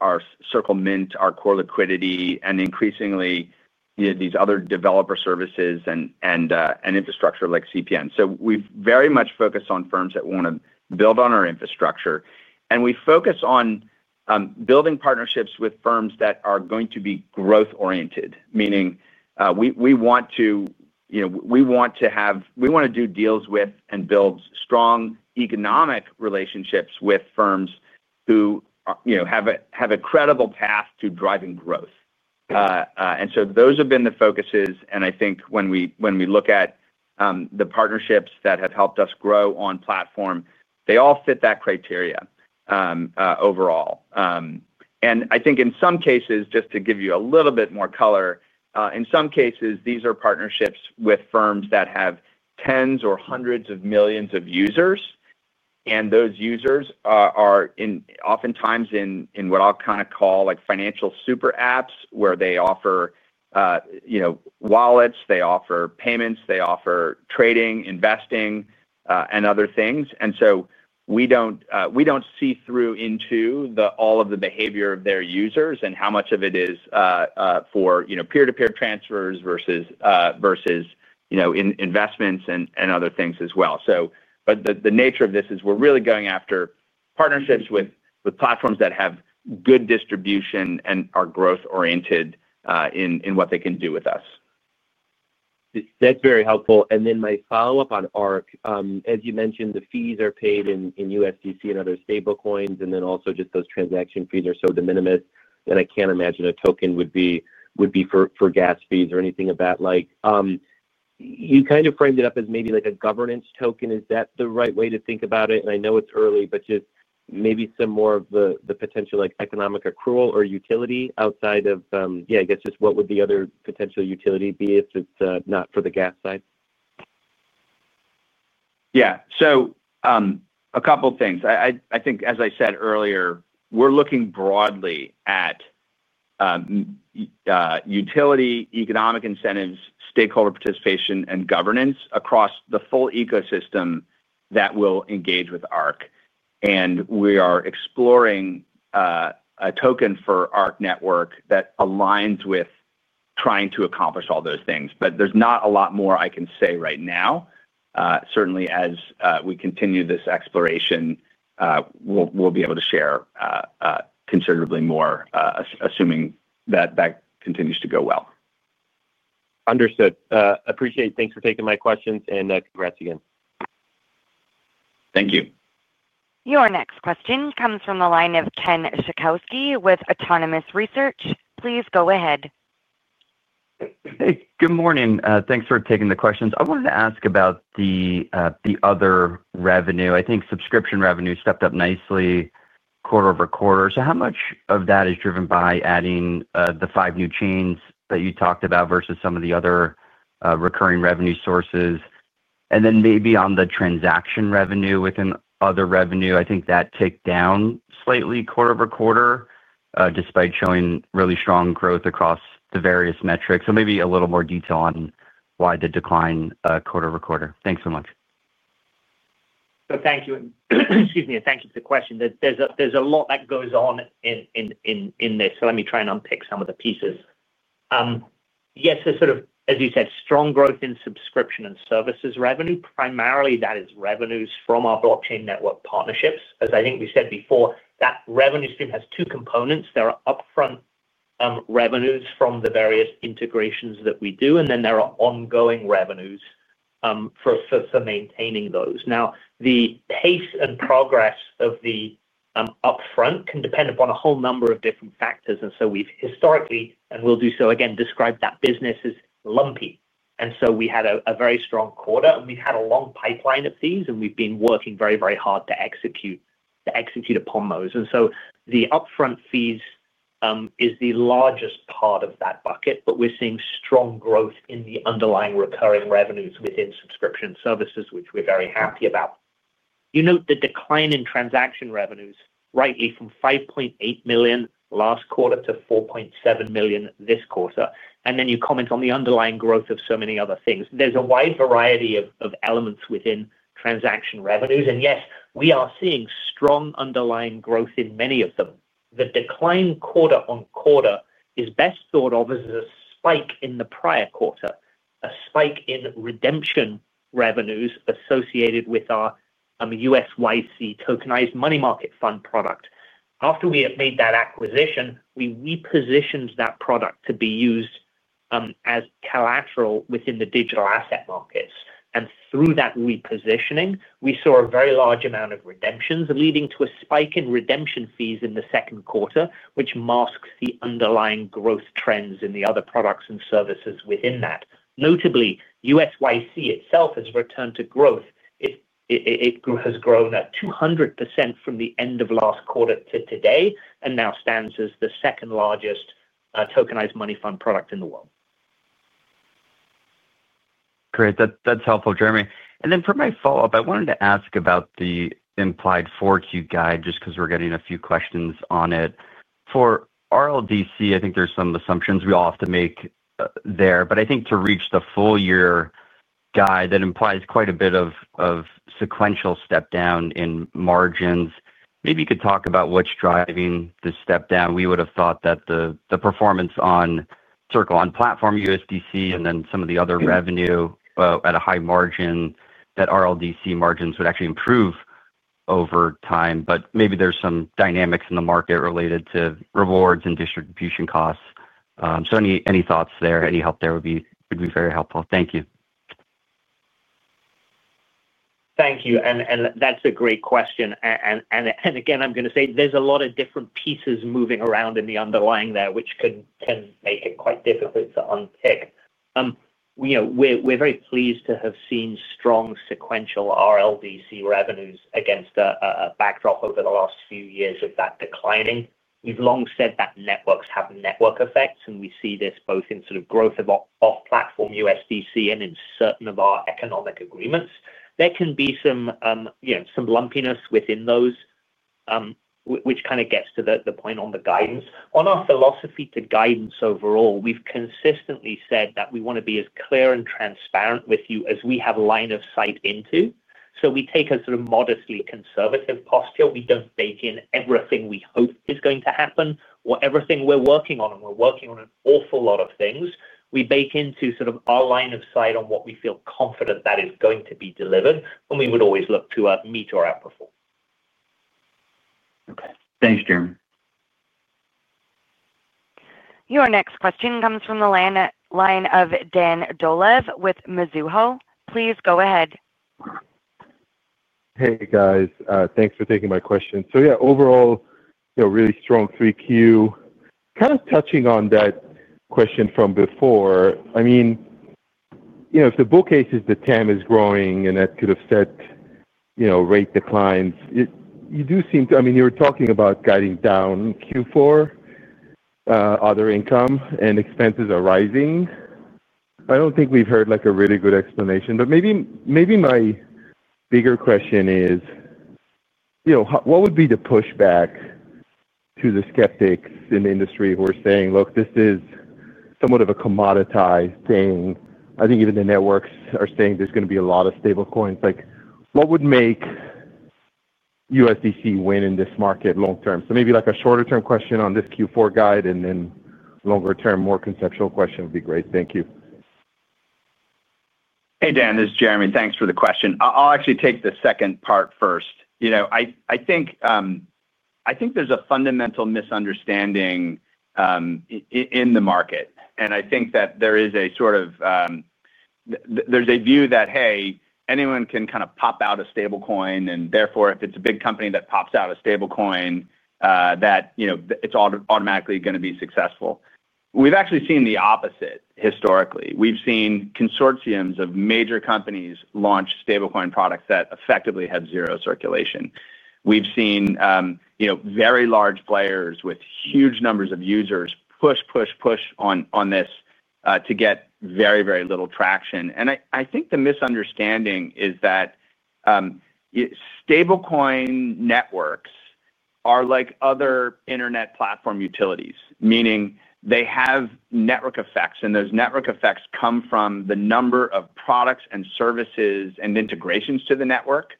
Circle Mint, our core liquidity, and increasingly these other developer services and infrastructure like CPN. We have very much focused on firms that want to build on our infrastructure. We focus on building partnerships with firms that are going to be growth-oriented, meaning we want to do deals with and build strong economic relationships with firms who have a credible path to driving growth. Those have been the focuses. I think when we look at the partnerships that have helped us grow on platform, they all fit that criteria overall. I think in some cases, just to give you a little bit more color, in some cases, these are partnerships with firms that have tens or hundreds of millions of users. Those users are oftentimes in what I'll kind of call financial super apps where they offer wallets, they offer payments, they offer trading, investing, and other things. We do not see through into all of the behavior of their users and how much of it is for peer-to-peer transfers versus investments and other things as well. The nature of this is we're really going after partnerships with platforms that have good distribution and are growth-oriented in what they can do with us. That's very helpful. My follow-up on Arc, as you mentioned, the fees are paid in USDC and other stablecoins, and also just those transaction fees are so de minimis, and I can't imagine a token would be for gas fees or anything of that like. You kind of framed it up as maybe like a governance token. Is that the right way to think about it? I know it's early, but just maybe some more of the potential economic accrual or utility outside of, yeah, I guess just what would the other potential utility be if it's not for the gas side? Yeah. So a couple of things. I think, as I said earlier, we're looking broadly at utility, economic incentives, stakeholder participation, and governance across the full ecosystem that will engage with Arc. We are exploring a token for Arc Network that aligns with trying to accomplish all those things. There's not a lot more I can say right now. Certainly, as we continue this exploration, we'll be able to share considerably more, assuming that that continues to go well. Understood. Appreciate it. Thanks for taking my questions, and congrats again. Thank you. Your next question comes from the line of Ken Suchoski with Autonomous Research. Please go ahead. Hey. Good morning. Thanks for taking the questions. I wanted to ask about the other revenue. I think subscription revenue stepped up nicely quarter over quarter. How much of that is driven by adding the five new chains that you talked about versus some of the other recurring revenue sources? Maybe on the transaction revenue within other revenue, I think that ticked down slightly quarter over quarter despite showing really strong growth across the various metrics. Maybe a little more detail on why the decline quarter over quarter. Thanks so much. Thank you. Excuse me. Thank you for the question. There's a lot that goes on in this, so let me try and unpick some of the pieces. Yes, sort of, as you said, strong growth in subscription and services revenue. Primarily, that is revenues from our blockchain network partnerships. As I think we said before, that revenue stream has two components. There are upfront revenues from the various integrations that we do, and then there are ongoing revenues for maintaining those. Now, the pace and progress of the upfront can depend upon a whole number of different factors. We have historically, and we'll do so again, described that business as lumpy. We had a very strong quarter, and we've had a long pipeline of fees, and we've been working very, very hard to execute upon those. The upfront fees is the largest part of that bucket, but we're seeing strong growth in the underlying recurring revenues within subscription services, which we're very happy about. You note the decline in transaction revenues rightly from $5.8 million last quarter to $4.7 million this quarter. You comment on the underlying growth of so many other things. There's a wide variety of elements within transaction revenues. Yes, we are seeing strong underlying growth in many of them. The decline quarter on quarter is best thought of as a spike in the prior quarter, a spike in redemption revenues associated with our USYC tokenized money market fund product. After we had made that acquisition, we repositioned that product to be used as collateral within the digital asset markets. Through that repositioning, we saw a very large amount of redemptions, leading to a spike in redemption fees in the second quarter, which masks the underlying growth trends in the other products and services within that. Notably, USYC itself has returned to growth. It has grown at 200% from the end of last quarter to today and now stands as the second largest tokenized money fund product in the world. Great. That's helpful, Jeremy. For my follow-up, I wanted to ask about the implied forward-view guide just because we're getting a few questions on it. For RLDC, I think there's some assumptions we all have to make there. I think to reach the full-year guide, that implies quite a bit of sequential step-down in margins. Maybe you could talk about what's driving the step-down. We would have thought that the performance on Circle on platform USDC and then some of the other revenue at a high margin, that RLDC margins would actually improve over time. Maybe there's some dynamics in the market related to rewards and distribution costs. Any thoughts there, any help there would be very helpful. Thank you. Thank you. That is a great question. Again, I am going to say there are a lot of different pieces moving around in the underlying there, which can make it quite difficult to unpick. We are very pleased to have seen strong sequential RLDC revenues against a backdrop over the last few years of that declining. We have long said that networks have network effects, and we see this both in sort of growth of our off-platform USDC and in certain of our economic agreements. There can be some lumpiness within those, which kind of gets to the point on the guidance. On our philosophy to guidance overall, we have consistently said that we want to be as clear and transparent with you as we have a line of sight into. We take a sort of modestly conservative posture. We do not bake in everything we hope is going to happen or everything we are working on. We are working on an awful lot of things. We bake into sort of our line of sight on what we feel confident that is going to be delivered, and we would always look to our meet or outperform. Okay. Thanks, Jeremy. Your next question comes from the line of Dan Dolev with Mizuho. Please go ahead. Hey, guys. Thanks for taking my question. Yeah, overall, really strong 3Q. Kind of touching on that question from before, I mean, if the bull case is that TAM is growing and that could have set rate declines, you do seem to—I mean, you were talking about guiding down Q4, other income, and expenses are rising. I do not think we have heard a really good explanation. Maybe my bigger question is, what would be the pushback to the skeptics in the industry who are saying, "Look, this is somewhat of a commoditized thing." I think even the networks are saying there is going to be a lot of stablecoins. What would make USDC win in this market long-term? Maybe a shorter-term question on this Q4 guide and then longer-term, more conceptual question would be great. Thank you. Hey, Dan. This is Jeremy. Thanks for the question. I'll actually take the second part first. I think there's a fundamental misunderstanding in the market. I think that there is a sort of—there's a view that, hey, anyone can kind of pop out a stablecoin, and therefore, if it's a big company that pops out a stablecoin, that it's automatically going to be successful. We've actually seen the opposite historically. We've seen consortiums of major companies launch stablecoin products that effectively have zero circulation. We've seen very large players with huge numbers of users push, push, push on this to get very, very little traction. I think the misunderstanding is that stablecoin networks are like other internet platform utilities, meaning they have network effects, and those network effects come from the number of products and services and integrations to the network.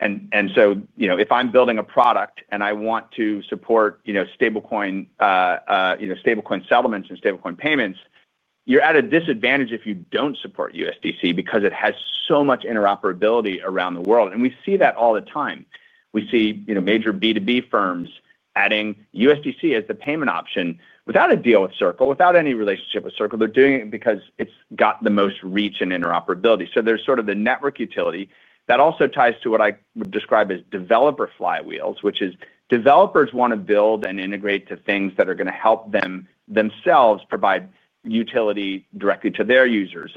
If I'm building a product and I want to support stablecoin settlements and stablecoin payments, you're at a disadvantage if you don't support USDC because it has so much interoperability around the world. We see that all the time. We see major B2B firms adding USDC as the payment option without a deal with Circle, without any relationship with Circle. They're doing it because it's got the most reach and interoperability. There is sort of the network utility that also ties to what I would describe as developer flywheels, which is developers want to build and integrate to things that are going to help them themselves provide utility directly to their users.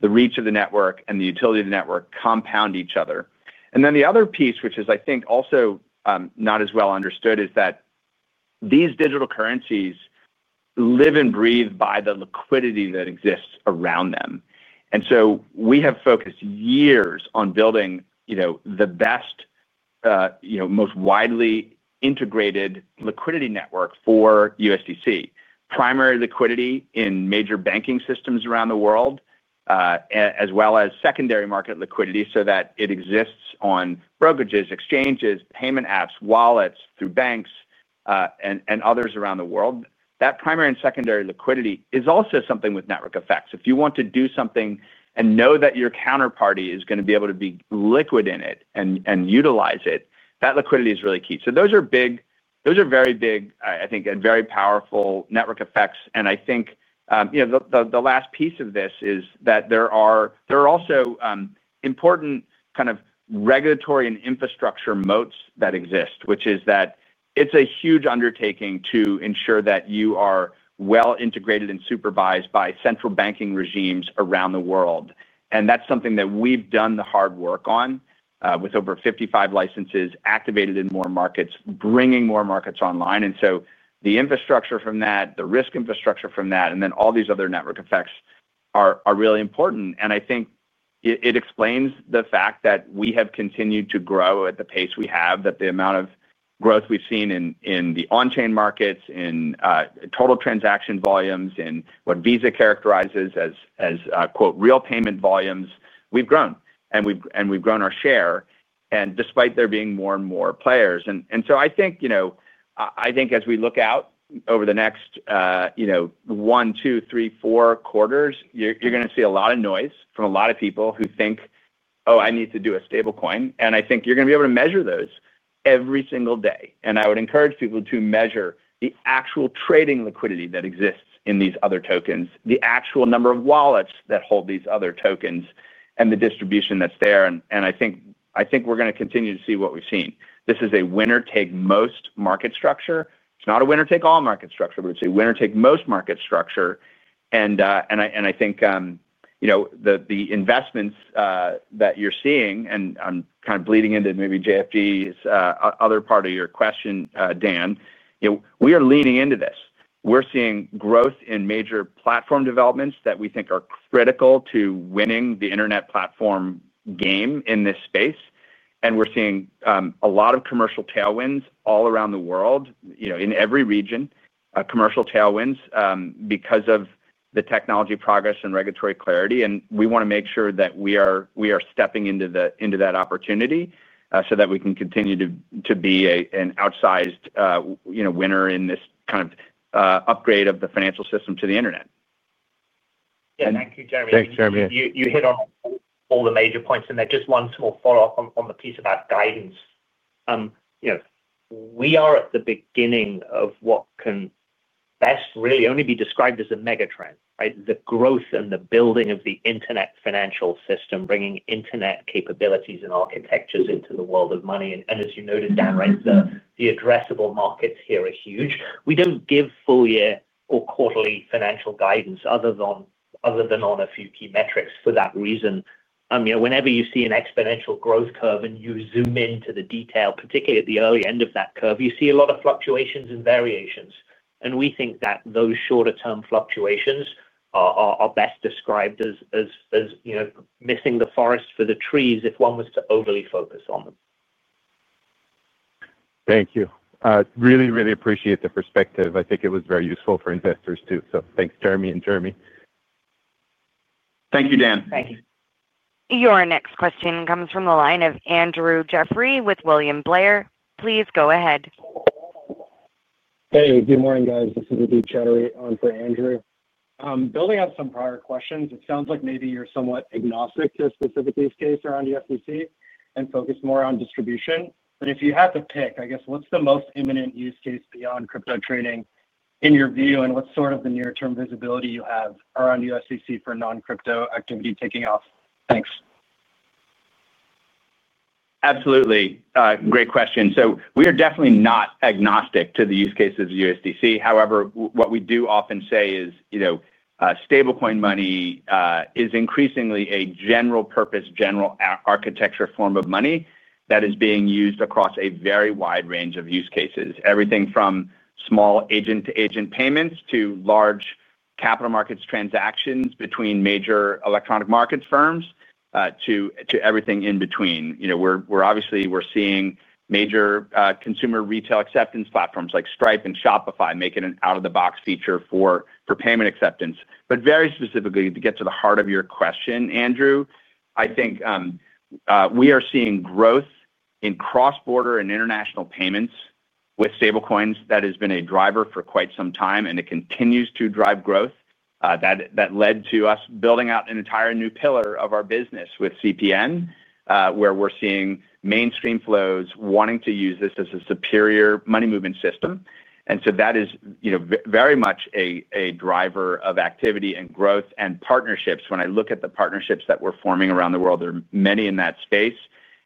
The reach of the network and the utility of the network compound each other. The other piece, which is, I think, also not as well understood, is that these digital currencies live and breathe by the liquidity that exists around them. We have focused years on building the best, most widely integrated liquidity network for USDC, primary liquidity in major banking systems around the world, as well as secondary market liquidity so that it exists on brokerages, exchanges, payment apps, wallets through banks and others around the world. That primary and secondary liquidity is also something with network effects. If you want to do something and know that your counterparty is going to be able to be liquid in it and utilize it, that liquidity is really key. Those are very big, I think, and very powerful network effects. I think the last piece of this is that there are also important kind of regulatory and infrastructure moats that exist, which is that it's a huge undertaking to ensure that you are well integrated and supervised by central banking regimes around the world. That's something that we've done the hard work on with over 55 licenses activated in more markets, bringing more markets online. The infrastructure from that, the risk infrastructure from that, and then all these other network effects are really important. I think it explains the fact that we have continued to grow at the pace we have, that the amount of growth we've seen in the on-chain markets, in total transaction volumes, in what Visa characterizes as "real payment volumes," we've grown, and we've grown our share despite there being more and more players. I think as we look out over the next one, two, three, four quarters, you're going to see a lot of noise from a lot of people who think, "Oh, I need to do a stablecoin." I think you're going to be able to measure those every single day. I would encourage people to measure the actual trading liquidity that exists in these other tokens, the actual number of wallets that hold these other tokens, and the distribution that's there. I think we're going to continue to see what we've seen. This is a winner-take-most market structure. It's not a winner-take-all market structure, but it's a winner-take-most market structure. I think the investments that you're seeing, and I'm kind of bleeding into maybe J.F.G's other part of your question, Dan, we are leaning into this. We're seeing growth in major platform developments that we think are critical to winning the internet platform game in this space. We're seeing a lot of commercial tailwinds all around the world, in every region, commercial tailwinds because of the technology progress and regulatory clarity. We want to make sure that we are stepping into that opportunity so that we can continue to be an outsized winner in this kind of upgrade of the financial system to the internet. Yeah. Thank you, Jeremy. Thanks, Jeremy. You hit on all the major points in there. Just one small follow-up on the piece about guidance. We are at the beginning of what can best really only be described as a megatrend, right? The growth and the building of the internet financial system, bringing internet capabilities and architectures into the world of money. As you noted, Dan, right, the addressable markets here are huge. We do not give full-year or quarterly financial guidance other than on a few key metrics. For that reason, whenever you see an exponential growth curve and you zoom into the detail, particularly at the early end of that curve, you see a lot of fluctuations and variations. We think that those shorter-term fluctuations are best described as missing the forest for the trees if one was to overly focus on them. Thank you. Really, really appreciate the perspective. I think it was very useful for investors too. So thanks, Jeremy and Jeremy. Thank you, Dan. Thank you. Your next question comes from the line of Andrew Jeffrey with William Blair. Please go ahead. Hey, good morning, guys. This is Adeep Chattery on for Andrew. Building on some prior questions, it sounds like maybe you're somewhat agnostic to a specific use case around USDC and focused more on distribution. If you had to pick, I guess, what's the most imminent use case beyond crypto trading in your view, and what's sort of the near-term visibility you have around USDC for non-crypto activity taking off? Thanks. Absolutely. Great question. We are definitely not agnostic to the use cases of USDC. However, what we do often say is stablecoin money is increasingly a general-purpose, general architecture form of money that is being used across a very wide range of use cases, everything from small agent-to-agent payments to large capital markets transactions between major electronic markets firms to everything in between. Obviously, we are seeing major consumer retail acceptance platforms like Stripe and Shopify making an out-of-the-box feature for payment acceptance. Very specifically, to get to the heart of your question, Andrew, I think we are seeing growth in cross-border and international payments with stablecoins. That has been a driver for quite some time, and it continues to drive growth. That led to us building out an entire new pillar of our business with CPN, where we're seeing mainstream flows wanting to use this as a superior money movement system. That is very much a driver of activity and growth and partnerships. When I look at the partnerships that we're forming around the world, there are many in that space.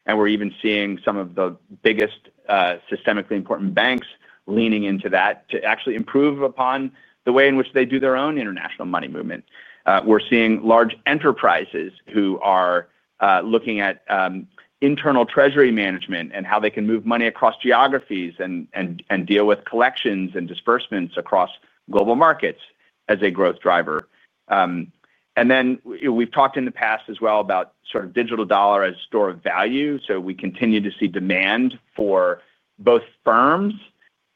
We're even seeing some of the biggest systemically important banks leaning into that to actually improve upon the way in which they do their own international money movement. We're seeing large enterprises who are looking at internal treasury management and how they can move money across geographies and deal with collections and disbursements across global markets as a growth driver. We've talked in the past as well about sort of digital dollar as a store of value. We continue to see demand for both firms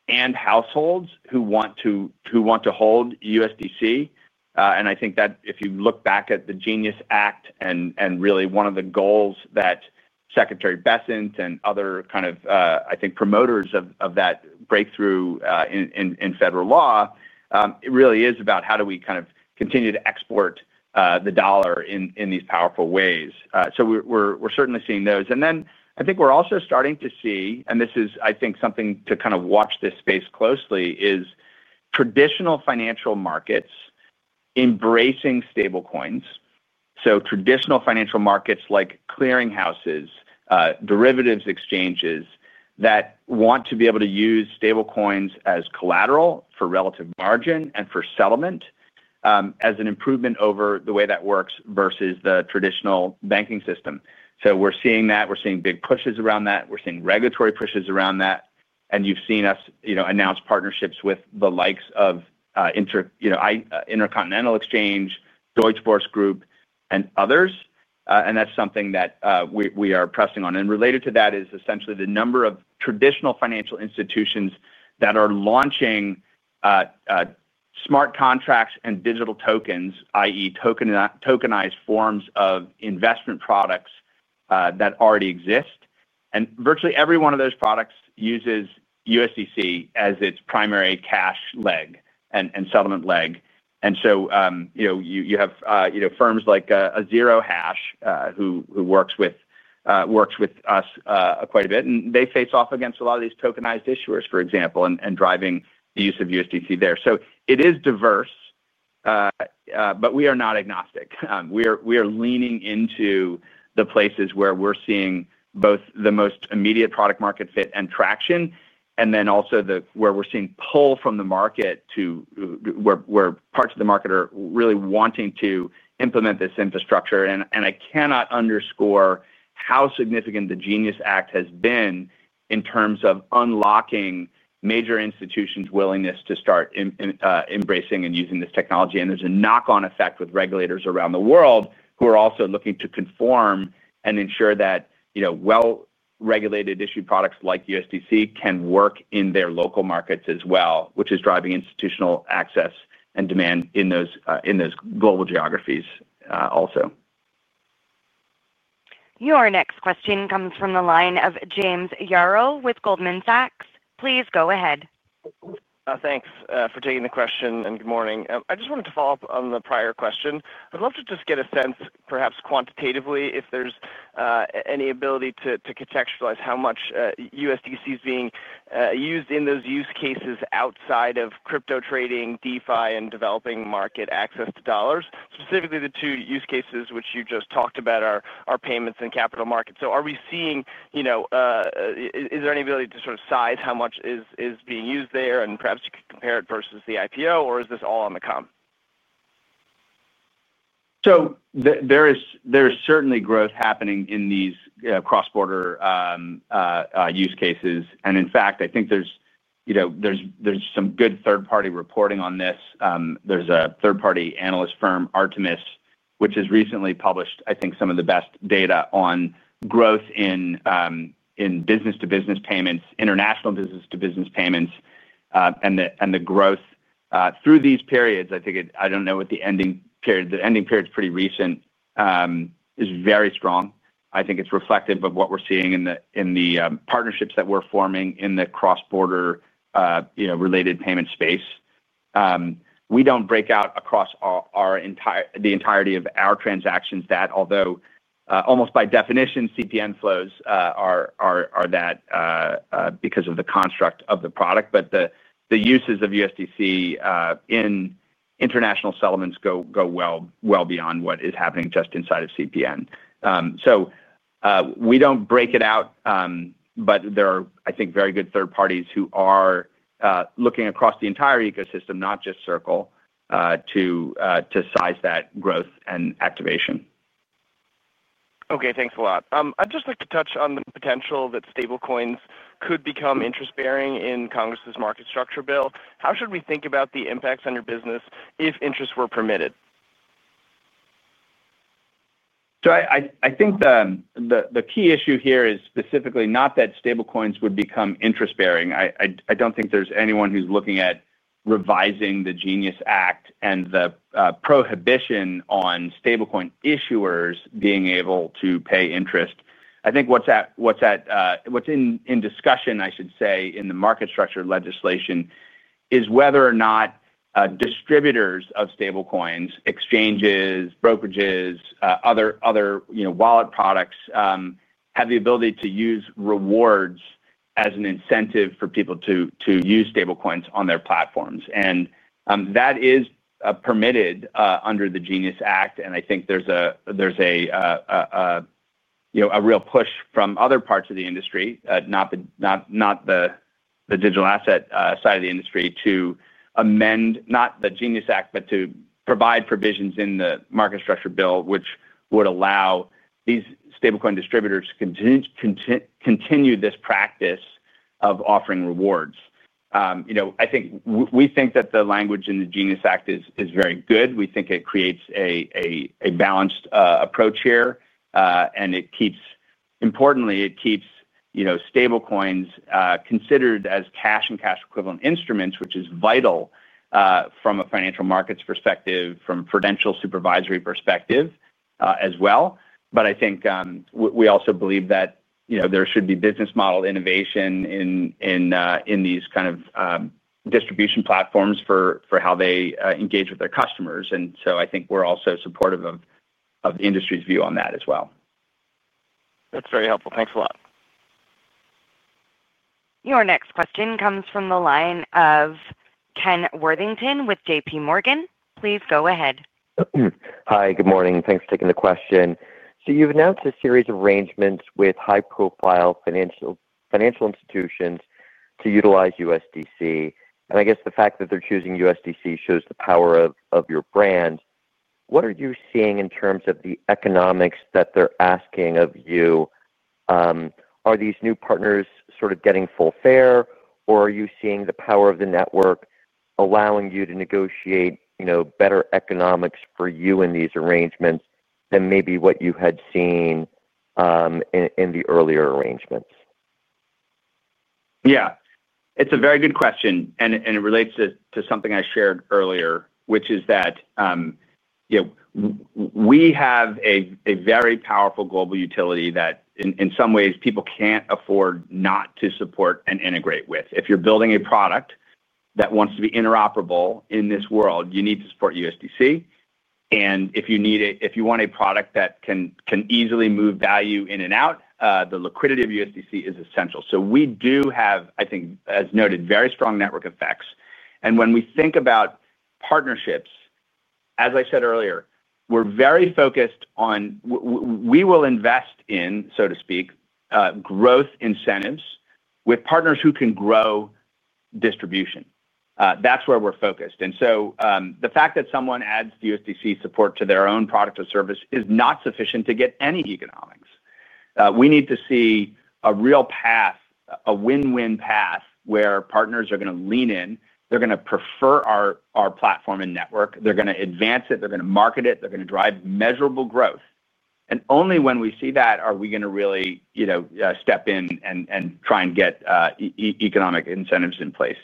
and households who want to hold USDC. I think that if you look back at the Genius Act and really one of the goals that Secretary Bessent and other kind of, I think, promoters of that breakthrough in federal law, it really is about how do we kind of continue to export the dollar in these powerful ways. We are certainly seeing those. I think we are also starting to see, and this is, I think, something to kind of watch this space closely, traditional financial markets embracing stablecoins. Traditional financial markets like clearinghouses, derivatives exchanges that want to be able to use stablecoins as collateral for relative margin and for settlement as an improvement over the way that works versus the traditional banking system. We are seeing that. We are seeing big pushes around that. We're seeing regulatory pushes around that. You have seen us announce partnerships with the likes of Intercontinental Exchange, Deutsche Börse Group, and others. That is something that we are pressing on. Related to that is essentially the number of traditional financial institutions that are launching smart contracts and digital tokens, i.e., tokenized forms of investment products that already exist. Virtually every one of those products uses USDC as its primary cash leg and settlement leg. You have firms like Zero Hash who work with us quite a bit. They face off against a lot of these tokenized issuers, for example, and are driving the use of USDC there. It is diverse, but we are not agnostic. We are leaning into the places where we're seeing both the most immediate product market fit and traction, and then also where we're seeing pull from the market to where parts of the market are really wanting to implement this infrastructure. I cannot underscore how significant the Genius Act has been in terms of unlocking major institutions' willingness to start embracing and using this technology. There's a knock-on effect with regulators around the world who are also looking to conform and ensure that well-regulated issue products like USDC can work in their local markets as well, which is driving institutional access and demand in those global geographies also. Your next question comes from the line of James Yaro with Goldman Sachs. Please go ahead. Thanks for taking the question, and good morning. I just wanted to follow up on the prior question. I'd love to just get a sense, perhaps quantitatively, if there's any ability to contextualize how much USDC is being used in those use cases outside of crypto trading, DeFi, and developing market access to dollars, specifically the two use cases which you just talked about are payments and capital markets. Is there any ability to sort of size how much is being used there? Perhaps you could compare it versus the IPO, or is this all on the come? There is certainly growth happening in these cross-border use cases. In fact, I think there is some good third-party reporting on this. There is a third-party analyst firm, Artemis, which has recently published, I think, some of the best data on growth in business-to-business payments, international business-to-business payments, and the growth through these periods. I do not know what the ending period is. The ending period is pretty recent. It is very strong. I think it is reflective of what we are seeing in the partnerships that we are forming in the cross-border related payment space. We do not break out across the entirety of our transactions that, although almost by definition, CPN flows are that because of the construct of the product. The uses of USDC in international settlements go well beyond what is happening just inside of CPN. We don't break it out, but there are, I think, very good third parties who are looking across the entire ecosystem, not just Circle, to size that growth and activation. Okay. Thanks a lot. I'd just like to touch on the potential that stablecoins could become interest-bearing in Congress's market structure bill. How should we think about the impacts on your business if interest were permitted? I think the key issue here is specifically not that stablecoins would become interest-bearing. I do not think there is anyone who is looking at revising the Genius Act and the prohibition on stablecoin issuers being able to pay interest. I think what is in discussion, I should say, in the market structure legislation is whether or not distributors of stablecoins, exchanges, brokerages, other wallet products have the ability to use rewards as an incentive for people to use stablecoins on their platforms. That is permitted under the Genius Act. I think there is a real push from other parts of the industry, not the digital asset side of the industry, to amend not the Genius Act, but to provide provisions in the market structure bill, which would allow these stablecoin distributors to continue this practice of offering rewards. I think we think that the language in the Genius Act is very good. We think it creates a balanced approach here. Importantly, it keeps stablecoins considered as cash and cash-equivalent instruments, which is vital from a financial markets perspective, from financial supervisory perspective as well. I think we also believe that there should be business model innovation in these kind of distribution platforms for how they engage with their customers. I think we're also supportive of the industry's view on that as well. That's very helpful. Thanks a lot. Your next question comes from the line of Ken Worthington with JPMorgan. Please go ahead. Hi. Good morning. Thanks for taking the question. You have announced a series of arrangements with high-profile financial institutions to utilize USDC. I guess the fact that they are choosing USDC shows the power of your brand. What are you seeing in terms of the economics that they are asking of you? Are these new partners sort of getting full fare? Are you seeing the power of the network allowing you to negotiate better economics for you in these arrangements than maybe what you had seen in the earlier arrangements? Yeah. It's a very good question. It relates to something I shared earlier, which is that we have a very powerful global utility that, in some ways, people can't afford not to support and integrate with. If you're building a product that wants to be interoperable in this world, you need to support USDC. If you want a product that can easily move value in and out, the liquidity of USDC is essential. We do have, I think, as noted, very strong network effects. When we think about partnerships, as I said earlier, we're very focused on we will invest in, so to speak, growth incentives with partners who can grow distribution. That's where we're focused. The fact that someone adds USDC support to their own product or service is not sufficient to get any economics. We need to see a real path, a win-win path where partners are going to lean in. They're going to prefer our platform and network. They're going to advance it. They're going to market it. They're going to drive measurable growth. Only when we see that are we going to really step in and try and get economic incentives in place.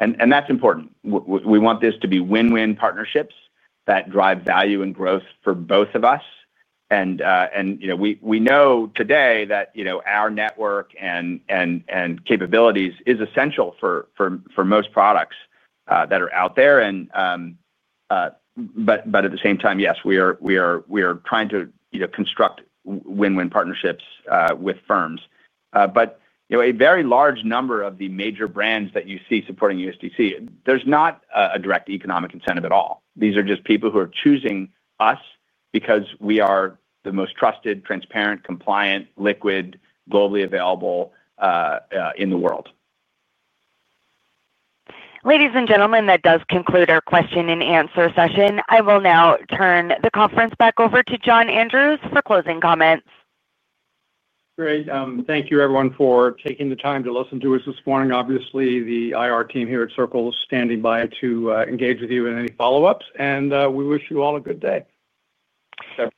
That's important. We want this to be win-win partnerships that drive value and growth for both of us. We know today that our network and capabilities are essential for most products that are out there. At the same time, yes, we are trying to construct win-win partnerships with firms. A very large number of the major brands that you see supporting USDC, there's not a direct economic incentive at all. These are just people who are choosing us because we are the most trusted, transparent, compliant, liquid, globally available in the world. Ladies and gentlemen, that does conclude our question and answer session. I will now turn the conference back over to John Andrews for closing comments. Great. Thank you, everyone, for taking the time to listen to us this morning. Obviously, the IR team here at Circle is standing by to engage with you in any follow-ups. We wish you all a good day.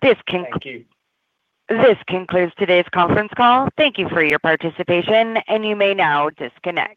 This concludes today's conference call. Thank you for your participation. You may now disconnect.